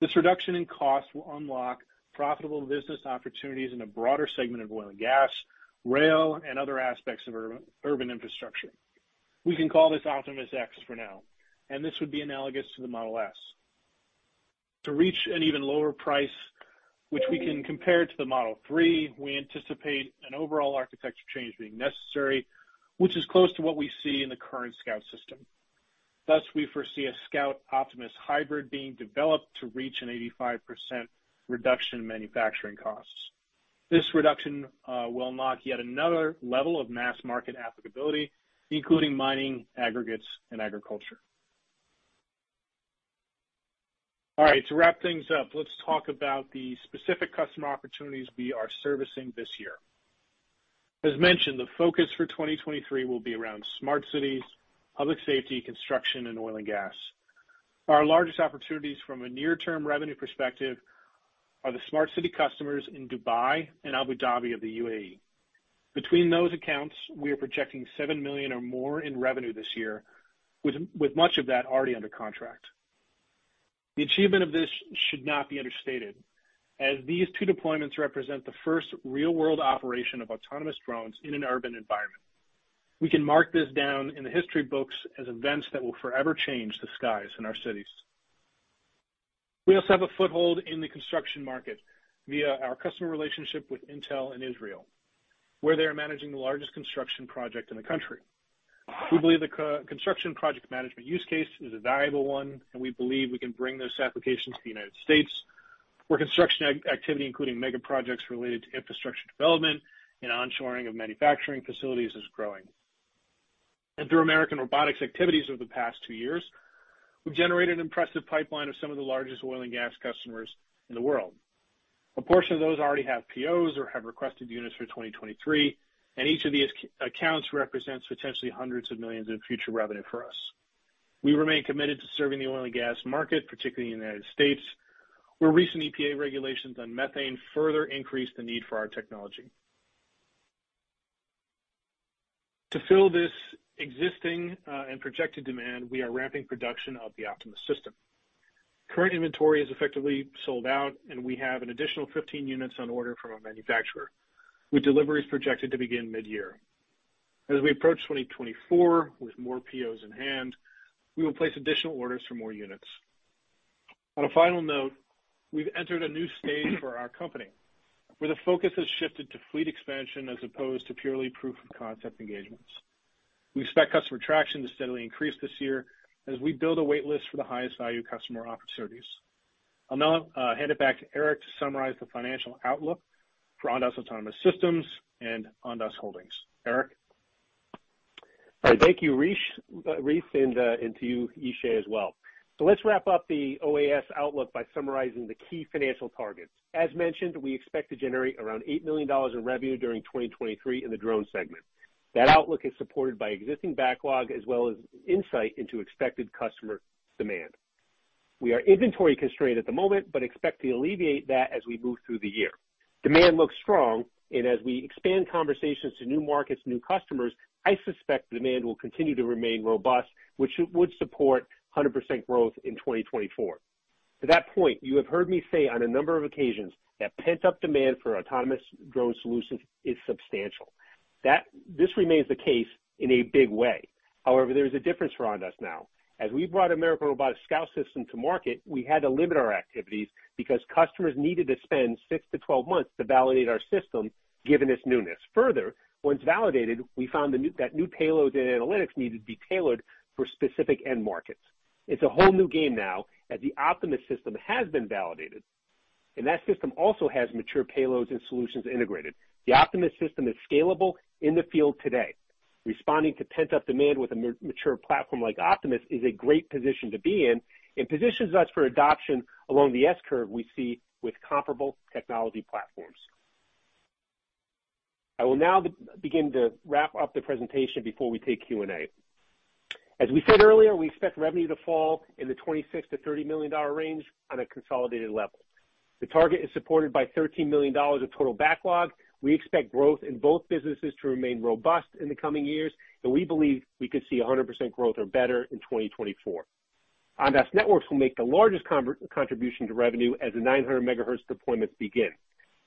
This reduction in cost will unlock profitable business opportunities in a broader segment of oil and gas, rail, and other aspects of urban infrastructure. We can call this Optimus X for now, and this would be analogous to the Model S. To reach an even lower price, which we can compare to the Model 3, we anticipate an overall architecture change being necessary, which is close to what we see in the current Scout System. Thus, we foresee a Scout Optimus hybrid being developed to reach an 85% reduction in manufacturing costs. This reduction will unlock yet another level of mass market applicability, including mining, aggregates, and agriculture. All right, to wrap things up, let's talk about the specific customer opportunities we are servicing this year. As mentioned, the focus for 2023 will be around smart cities, public safety, construction, and oil and gas. Our largest opportunities from a near-term revenue perspective are the smart city customers in Dubai and Abu Dhabi of the UAE. Between those accounts, we are projecting $7 million or more in revenue this year, with much of that already under contract. The achievement of this should not be understated, as these two deployments represent the first real-world operation of autonomous drones in an urban environment. We can mark this down in the history books as events that will forever change the skies in our cities. We also have a foothold in the construction market via our customer relationship with Intel in Israel, where they are managing the largest construction project in the country. We believe the co-construction project management use case is a valuable one. We believe we can bring those applications to the United States, where construction activity, including mega projects related to infrastructure development and onshoring of manufacturing facilities, is growing. Through American Robotics activities over the past two years, we've generated an impressive pipeline of some of the largest oil and gas customers in the world. A portion of those already have POs or have requested units for 2023, and each of these accounts represents potentially hundreds of millions in future revenue for us. We remain committed to serving the oil and gas market, particularly in the United States, where recent EPA regulations on methane further increase the need for our technology. To fill this existing and projected demand, we are ramping production of the Optimus system. Current inventory is effectively sold out, and we have an additional 15 units on order from our manufacturer, with deliveries projected to begin mid-year. As we approach 2024 with more POs in hand, we will place additional orders for more units. On a final note, we've entered a new stage for our company, where the focus has shifted to fleet expansion as opposed to purely proof of concept engagements. We expect customer traction to steadily increase this year as we build a wait list for the highest value customer opportunities. I'll now, hand it back to Eric to summarize the financial outlook for Ondas Autonomous Systems and Ondas Holdings. Eric? All right. Thank you, Reese, and to you, Yishay, as well. Let's wrap up the OAS outlook by summarizing the key financial targets. As mentioned, we expect to generate around $8 million in revenue during 2023 in the drone segment. That outlook is supported by existing backlog as well as insight into expected customer demand. We are inventory constrained at the moment, but expect to alleviate that as we move through the year. Demand looks strong, and as we expand conversations to new markets and new customers, I suspect demand will continue to remain robust, which would support 100% growth in 2024. To that point, you have heard me say on a number of occasions that pent-up demand for autonomous drone solutions is substantial. This remains the case in a big way. There's a difference for Ondas now. As we brought American Robotics Scout System to market, we had to limit our activities because customers needed to spend six-12 months to validate our system, given its newness. Once validated, we found that new payload and analytics needed to be tailored for specific end markets. It's a whole new game now, as the Optimus system has been validated, and that system also has mature payloads and solutions integrated. The Optimus system is scalable in the field today. Responding to pent-up demand with a mature platform like Optimus is a great position to be in and positions us for adoption along the S-curve we see with comparable technology platforms. I will now begin to wrap up the presentation before we take Q&A. As we said earlier, we expect revenue to fall in the $26 million-$30 million range on a consolidated level. The target is supported by $13 million of total backlog. We expect growth in both businesses to remain robust in the coming years. We believe we could see 100% growth or better in 2024. Ondas Networks will make the largest contribution to revenue as the 900 MHz deployments begin.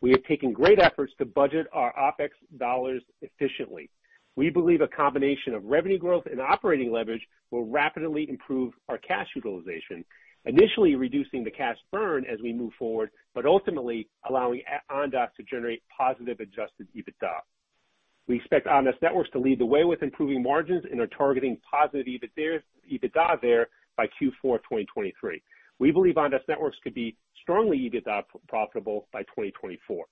We have taken great efforts to budget our OpEx dollars efficiently. We believe a combination of revenue growth and operating leverage will rapidly improve our cash utilization, initially reducing the cash burn as we move forward, but ultimately allowing Ondas to generate positive adjusted EBITDA. We expect Ondas Networks to lead the way with improving margins and are targeting positive EBITDA there by Q4 2023. We believe Ondas Networks could be strongly EBITDA profitable by 2024.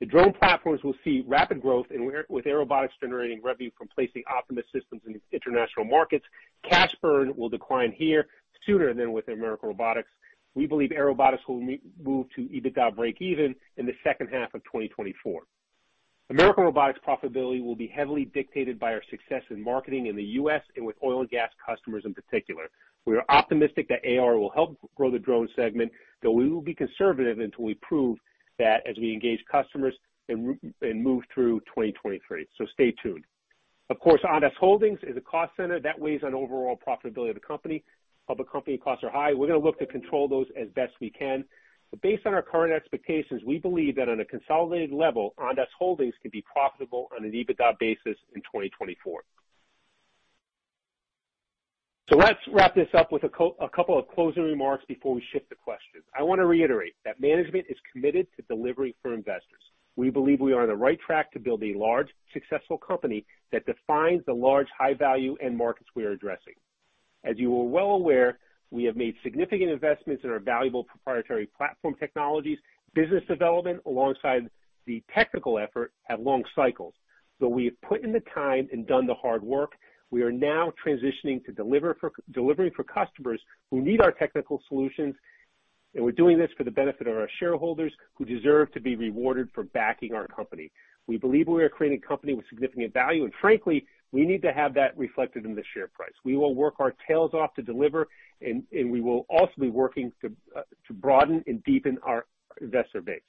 The drone platforms will see rapid growth with Airobotics generating revenue from placing Optimus systems in international markets. Cash burn will decline here sooner than with American Robotics. We believe Airobotics will move to EBITDA breakeven in the second half of 2024. American Robotics profitability will be heavily dictated by our success in marketing in the U.S. and with oil and gas customers in particular. We are optimistic that AR will help grow the drone segment, though we will be conservative until we prove that as we engage customers and move through 2023. Stay tuned. Of course, Ondas Holdings is a cost center that weighs on overall profitability of the company. Public company costs are high. We're gonna look to control those as best we can. Based on our current expectations, we believe that on a consolidated level, Ondas Holdings could be profitable on an EBITDA basis in 2024. Let's wrap this up with a couple of closing remarks before we shift to questions. I wanna reiterate that management is committed to delivering for investors. We believe we are on the right track to build a large, successful company that defines the large high value end markets we are addressing. As you are well aware, we have made significant investments in our valuable proprietary platform technologies. Business development, alongside the technical effort, have long cycles. We have put in the time and done the hard work. We are now transitioning to delivering for customers who need our technical solutions, and we're doing this for the benefit of our shareholders, who deserve to be rewarded for backing our company. We believe we are creating company with significant value. Frankly, we need to have that reflected in the share price. We will work our tails off to deliver, and we will also be working to broaden and deepen our investor base.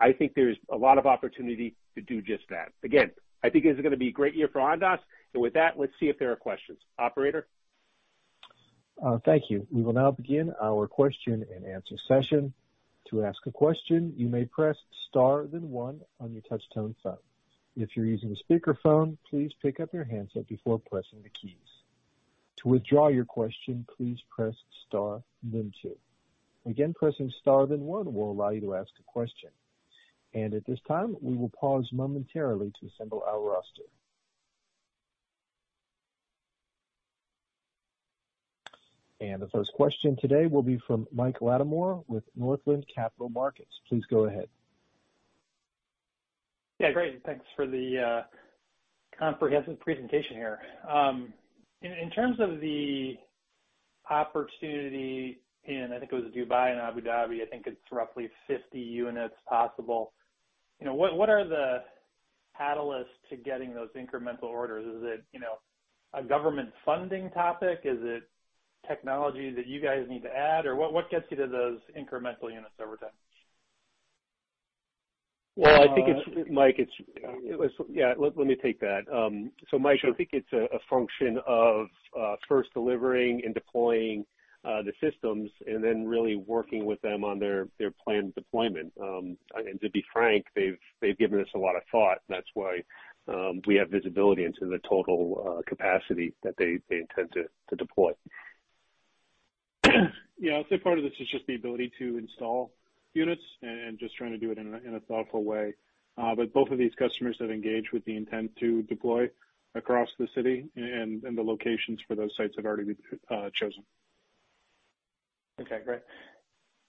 I think there's a lot of opportunity to do just that. Again, I think it's gonna be a great year for Ondas. With that, let's see if there are questions. Operator? Thank you. We will now begin our question and answer session. To ask a question, you may press star then one on your touch tone phone. If you're using a speakerphone, please pick up your handset before pressing the keys. To withdraw your question, please press star then two. Again, pressing star then one will allow you to ask a question. At this time, we will pause momentarily to assemble our roster. The first question today will be from Mike Latimore with Northland Capital Markets. Please go ahead. Yeah, great. Thanks for the comprehensive presentation here. In terms of the opportunity in, I think it was Dubai and Abu Dhabi, I think it's roughly 50 units possible. You know, what are the catalysts to getting those incremental orders? Is it, you know, a government funding topic? Is it technology that you guys need to add? Or what gets you to those incremental units over time? Well, I think it's, Mike, it's. Yeah. Let me take that. Mike, I think it's a function of first delivering and deploying the systems and then really working with them on their planned deployment. To be frank, they've given us a lot of thought. That's why we have visibility into the total capacity that they intend to deploy. Yeah. I'd say part of this is just the ability to install units and just trying to do it in a, in a thoughtful way. Both of these customers have engaged with the intent to deploy across the city and the locations for those sites have already been chosen. Okay, great.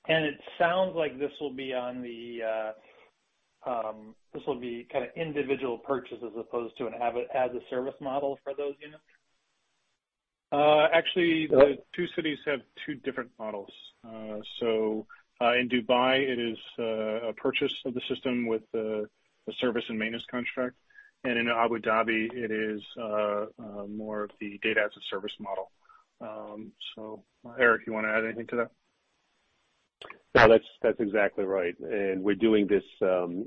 It sounds like this will be on the kinda individual purchases as opposed to an as a service model for those units. cities have two different models. In Dubai, it is a purchase of the system with a service and maintenance contract. In Abu Dhabi, it is more of the data as a service model. Eric, you want to add anything to that? No, that's exactly right. We're doing this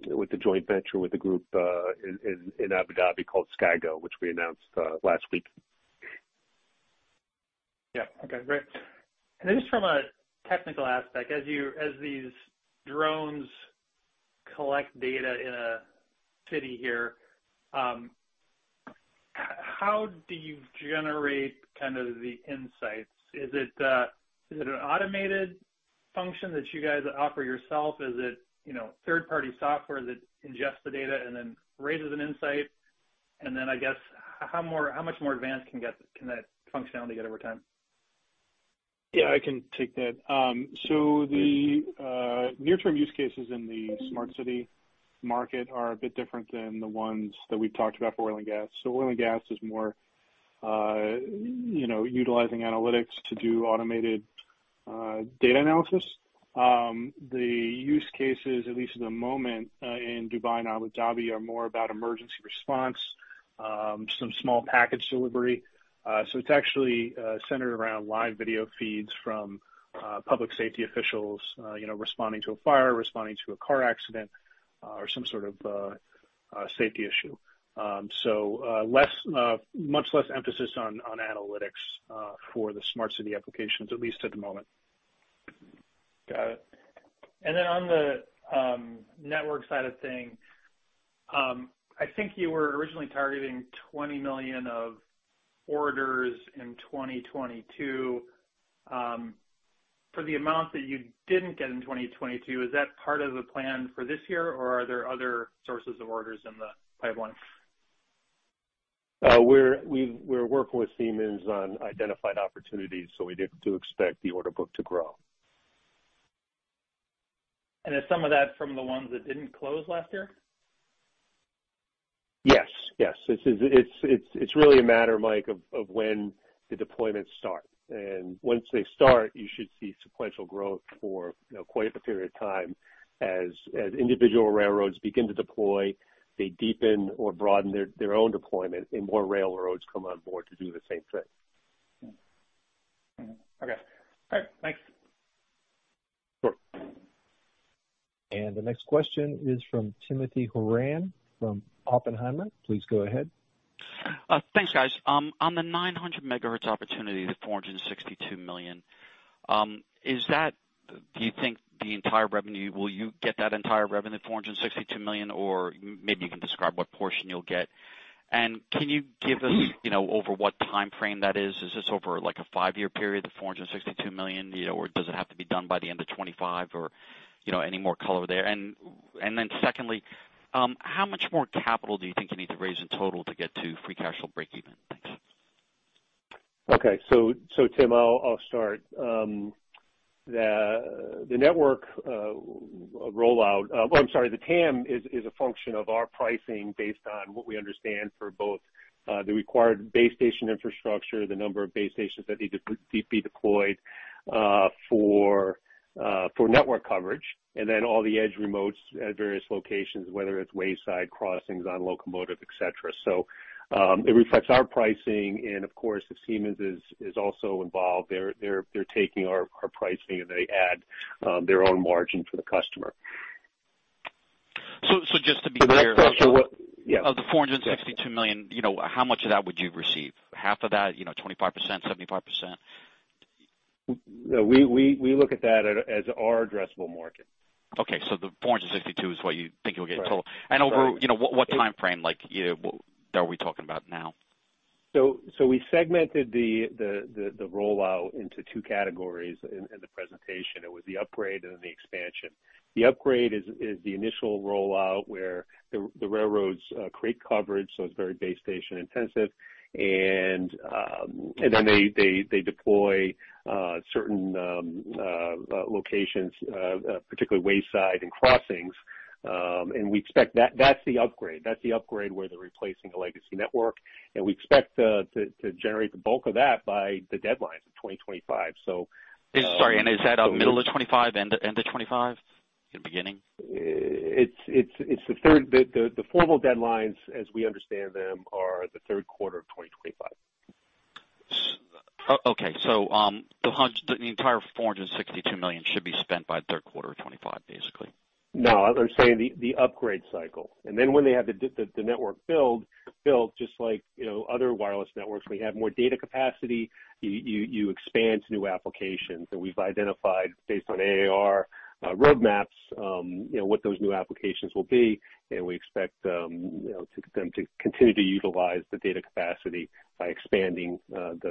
with the joint venture with the group in Abu Dhabi called SkyGo, which we announced last week. Yeah. Okay, great. Just from a technical aspect, as these drones collect data in a city here, how do you generate kind of the insights? Is it an automated function that you guys offer yourself? Is it, you know, third-party software that ingests the data and then raises an insight? I guess, how much more advanced can that functionality get over time? Yeah, I can take that. The near-term use cases in the smart city market are a bit different than the ones that we talked about for oil and gas. Oil and gas is more, you know, utilizing analytics to do automated data analysis. The use cases, at least at the moment, in Dubai and Abu Dhabi, are more about emergency response, some small package delivery. It's actually centered around live video feeds from public safety officials, you know, responding to a fire, responding to a car accident, or some sort of safety issue. Less, much less emphasis on analytics for the smart city applications, at least at the moment. Got it. On the network side of thing, I think you were originally targeting $20 million of orders in 2022. For the amount that you didn't get in 2022, is that part of the plan for this year, or are there other sources of orders in the pipeline? We're working with Siemens on identified opportunities. We do expect the order book to grow. Is some of that from the ones that didn't close last year? Yes. It's really a matter, Mike, of when the deployments start. Once they start, you should see sequential growth for, you know, quite a period of time. As individual railroads begin to deploy, they deepen or broaden their own deployment, and more railroads come on board to do the same thing. Mm-hmm. Okay. All right. Thanks. Sure. The next question is from Timothy Horan from Oppenheimer. Please go ahead. Thanks, guys. On the 900 MHz opportunity, the $462 million, do you think the entire revenue, will you get that entire revenue, $462 million? Maybe you can describe what portion you'll get. Can you give us, you know, over what timeframe that is? Is this over, like, a five-year period, the $462 million, you know, or does it have to be done by the end of 2025? You know, any more color there. Secondly, how much more capital do you think you need to raise in total to get to free cash flow breakeven? Thanks. Okay. Tim, I'll start. I'm sorry, the TAM is a function of our pricing based on what we understand for both, the required base station infrastructure, the number of base stations that need to be deployed, for network coverage, and then all the edge remotes at various locations, whether it's wayside crossings on locomotives, et cetera. It reflects our pricing, and of course, if Siemens is also involved, they're taking our pricing and they add their own margin for the customer. Just to be clear. The net special. Yeah. Of the $462 million, you know, how much of that would you receive? Half of that? You know, 25%, 75%? We look at that as our addressable market. Okay. The $462 million is what you think you'll get total. Right. Over, you know, what timeframe, like, you know, are we talking about now? We segmented the rollout into two categories in the presentation. It was the upgrade and the expansion. The upgrade is the initial rollout where the railroads create coverage, so it's very base station intensive. Then they deploy certain locations, particularly wayside and crossings, and we expect. That's the upgrade. That's the upgrade where they're replacing a legacy network. We expect to generate the bulk of that by the deadline of 2025. Sorry, and is that, middle of 25? End of 25? The beginning? It's The formal deadlines, as we understand them, are the third quarter of 2025. Okay. The entire $462 million should be spent by third quarter of 2025, basically. No, I'm saying the upgrade cycle. Then when they have the the network built, just like, you know, other wireless networks, when you have more data capacity, you expand to new applications. We've identified based on AR roadmaps, you know, what those new applications will be, and we expect, you know, them to continue to utilize the data capacity by expanding the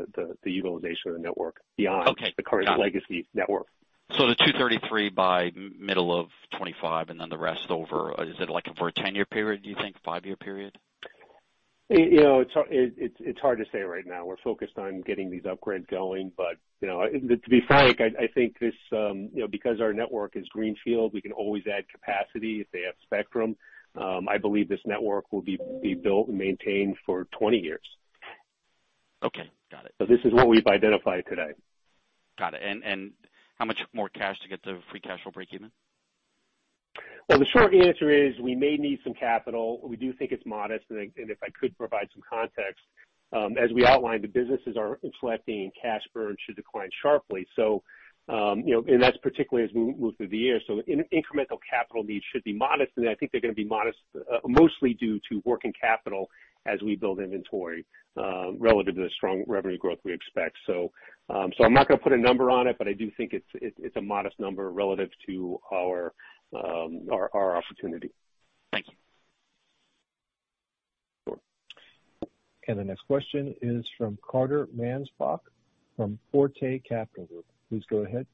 utilization of the network beyond Okay. the current legacy network. The 233 by middle of 2025 and then the rest over, is it, like, for a 10-year period, do you think? five-year period? you know, It's hard to say right now. We're focused on getting these upgrades going. you know, to be frank, I think this, you know, because our network is greenfield, we can always add capacity if they have spectrum. I believe this network will be built and maintained for 20 years. Okay. Got it. This is what we've identified today. Got it. How much more cash to get to free cash flow breakeven? Well, the short answer is we may need some capital. We do think it's modest. If I could provide some context, as we outlined, the businesses are selecting, and cash burn should decline sharply. You know, that's particularly as we move through the year. Incremental capital needs should be modest. I think they're gonna be modest, mostly due to working capital as we build inventory, relative to the strong revenue growth we expect. I'm not gonna put a number on it, but I do think it's a modest number relative to our opportunity. Thank you. Sure. The next question is from Carter Mansbach from Forte Capital Group. Please go ahead.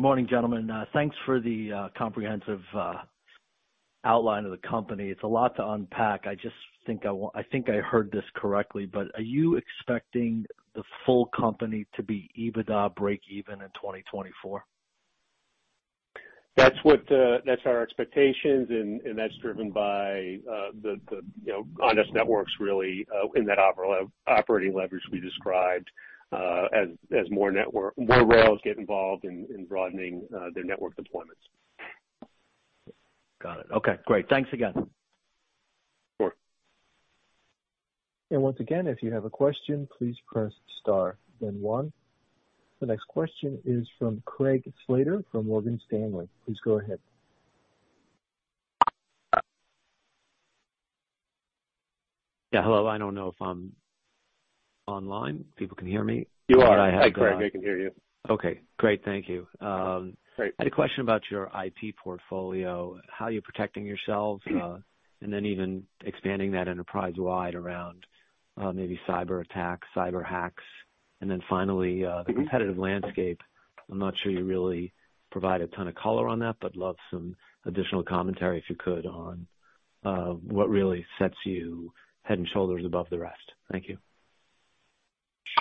Morning, gentlemen. Thanks for the comprehensive outline of the company. It's a lot to unpack. I just think I heard this correctly, but are you expecting the full company to be EBITDA breakeven in 2024? That's what, that's our expectations and that's driven by, the, you know, Ondas Networks really, in that operating leverage we described, as more rails get involved in broadening, their network deployments. Got it. Okay. Great. Thanks again. Sure. Once again, if you have a question, please press star one. The next question is from Craig Slater from Morgan Stanley. Please go ahead. Yeah. Hello. I don't know if I'm online. People can hear me? You are. I had. Hi, Craig. We can hear you. Okay, great. Thank you. Great. I had a question about your IP portfolio, how you're protecting yourselves, and then even expanding that enterprise wide around, maybe cyberattacks, cyber hacks. Finally, the competitive landscape. I'm not sure you really provide a ton of color on that, but love some additional commentary, if you could, on what really sets you head and shoulders above the rest. Thank you.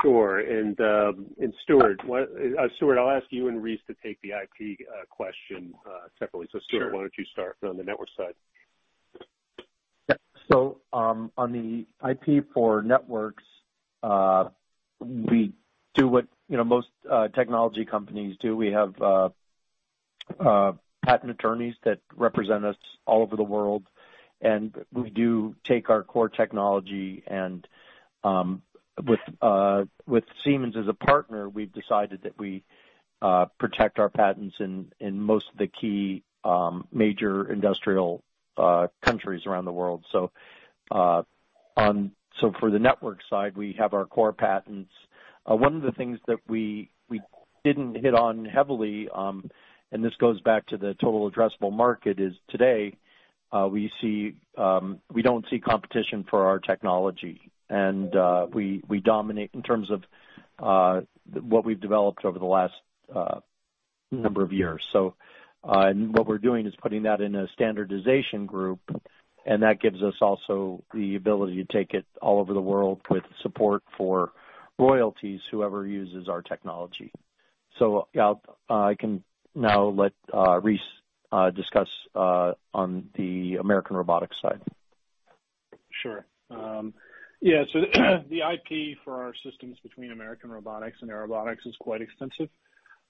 Sure. Stewart, I'll ask you and Reese to take the IP question separately. Sure. Stewart, why don't you start from the network side? Yeah. On the IP for networks, we do what, you know, most technology companies do. We have patent attorneys that represent us all over the world, and we do take our core technology and with Siemens as a partner, we've decided that we protect our patents in most of the key major industrial countries around the world. For the network side, we have our core patents. One of the things that we didn't hit on heavily, and this goes back to the total addressable market, is today, we see we don't see competition for our technology. We dominate in terms of what we've developed over the last number of years. What we're doing is putting that in a standardization group, and that gives us also the ability to take it all over the world with support for royalties, whoever uses our technology. I'll, I can now let Reese discuss on the American Robotics side. Sure. Yeah. The IP for our systems between American Robotics and Airobotics is quite extensive.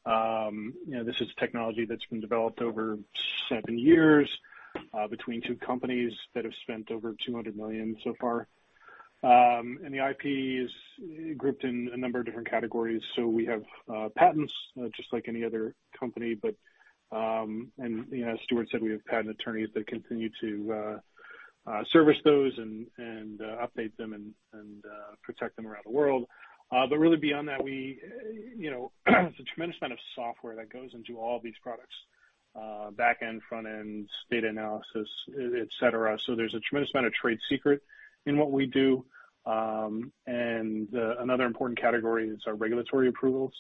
You know, this is technology that's been developed over seven years, between two companies that have spent over $200 million so far. The IP is grouped in a number of different categories. We have patents just like any other company. As Stewart said, we have patent attorneys that continue to service those and update them and protect them around the world. Really beyond that, we, you know, it's a tremendous amount of software that goes into all these products, back-end, front-end, data analysis, et cetera. There's a tremendous amount of trade secret in what we do. Another important category is our regulatory approvals.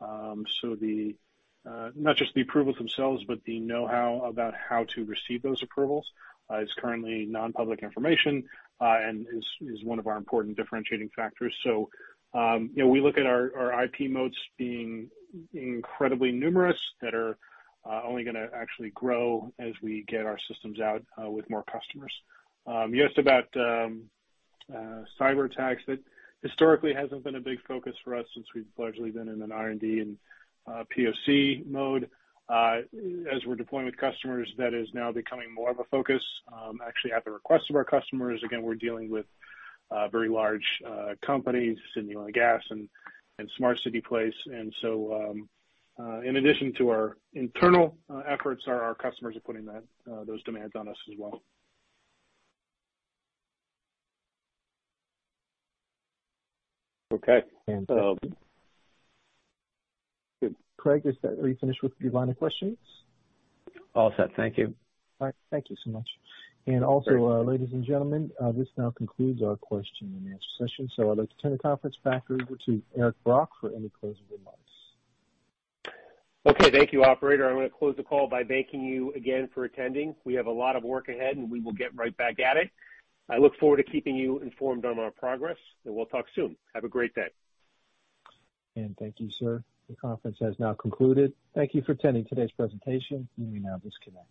The not just the approvals themselves, but the know-how about how to receive those approvals, is currently non-public information, and is one of our important differentiating factors. You know, we look at our IP modes being incredibly numerous that are only gonna actually grow as we get our systems out with more customers. You asked about cyber attacks. That historically hasn't been a big focus for us since we've largely been in an R&D and POC mode. As we're deploying with customers, that is now becoming more of a focus, actually at the request of our customers. Again, we're dealing with very large companies, Sydney Oil and Gas and Smart City Place. In addition to our internal efforts, our customers are putting that those demands on us as well. Okay. Craig, are you finished with your line of questions? All set. Thank you. All right. Thank you so much. Also, ladies and gentlemen, this now concludes our question-and-answer session. I'd like to turn the conference back over to Eric Brock for any closing remarks. Okay. Thank you, operator. I'm gonna close the call by thanking you again for attending. We have a lot of work ahead. We will get right back at it. I look forward to keeping you informed on our progress. We'll talk soon. Have a great day. Thank you, sir. The conference has now concluded. Thank you for attending today's presentation. You may now disconnect.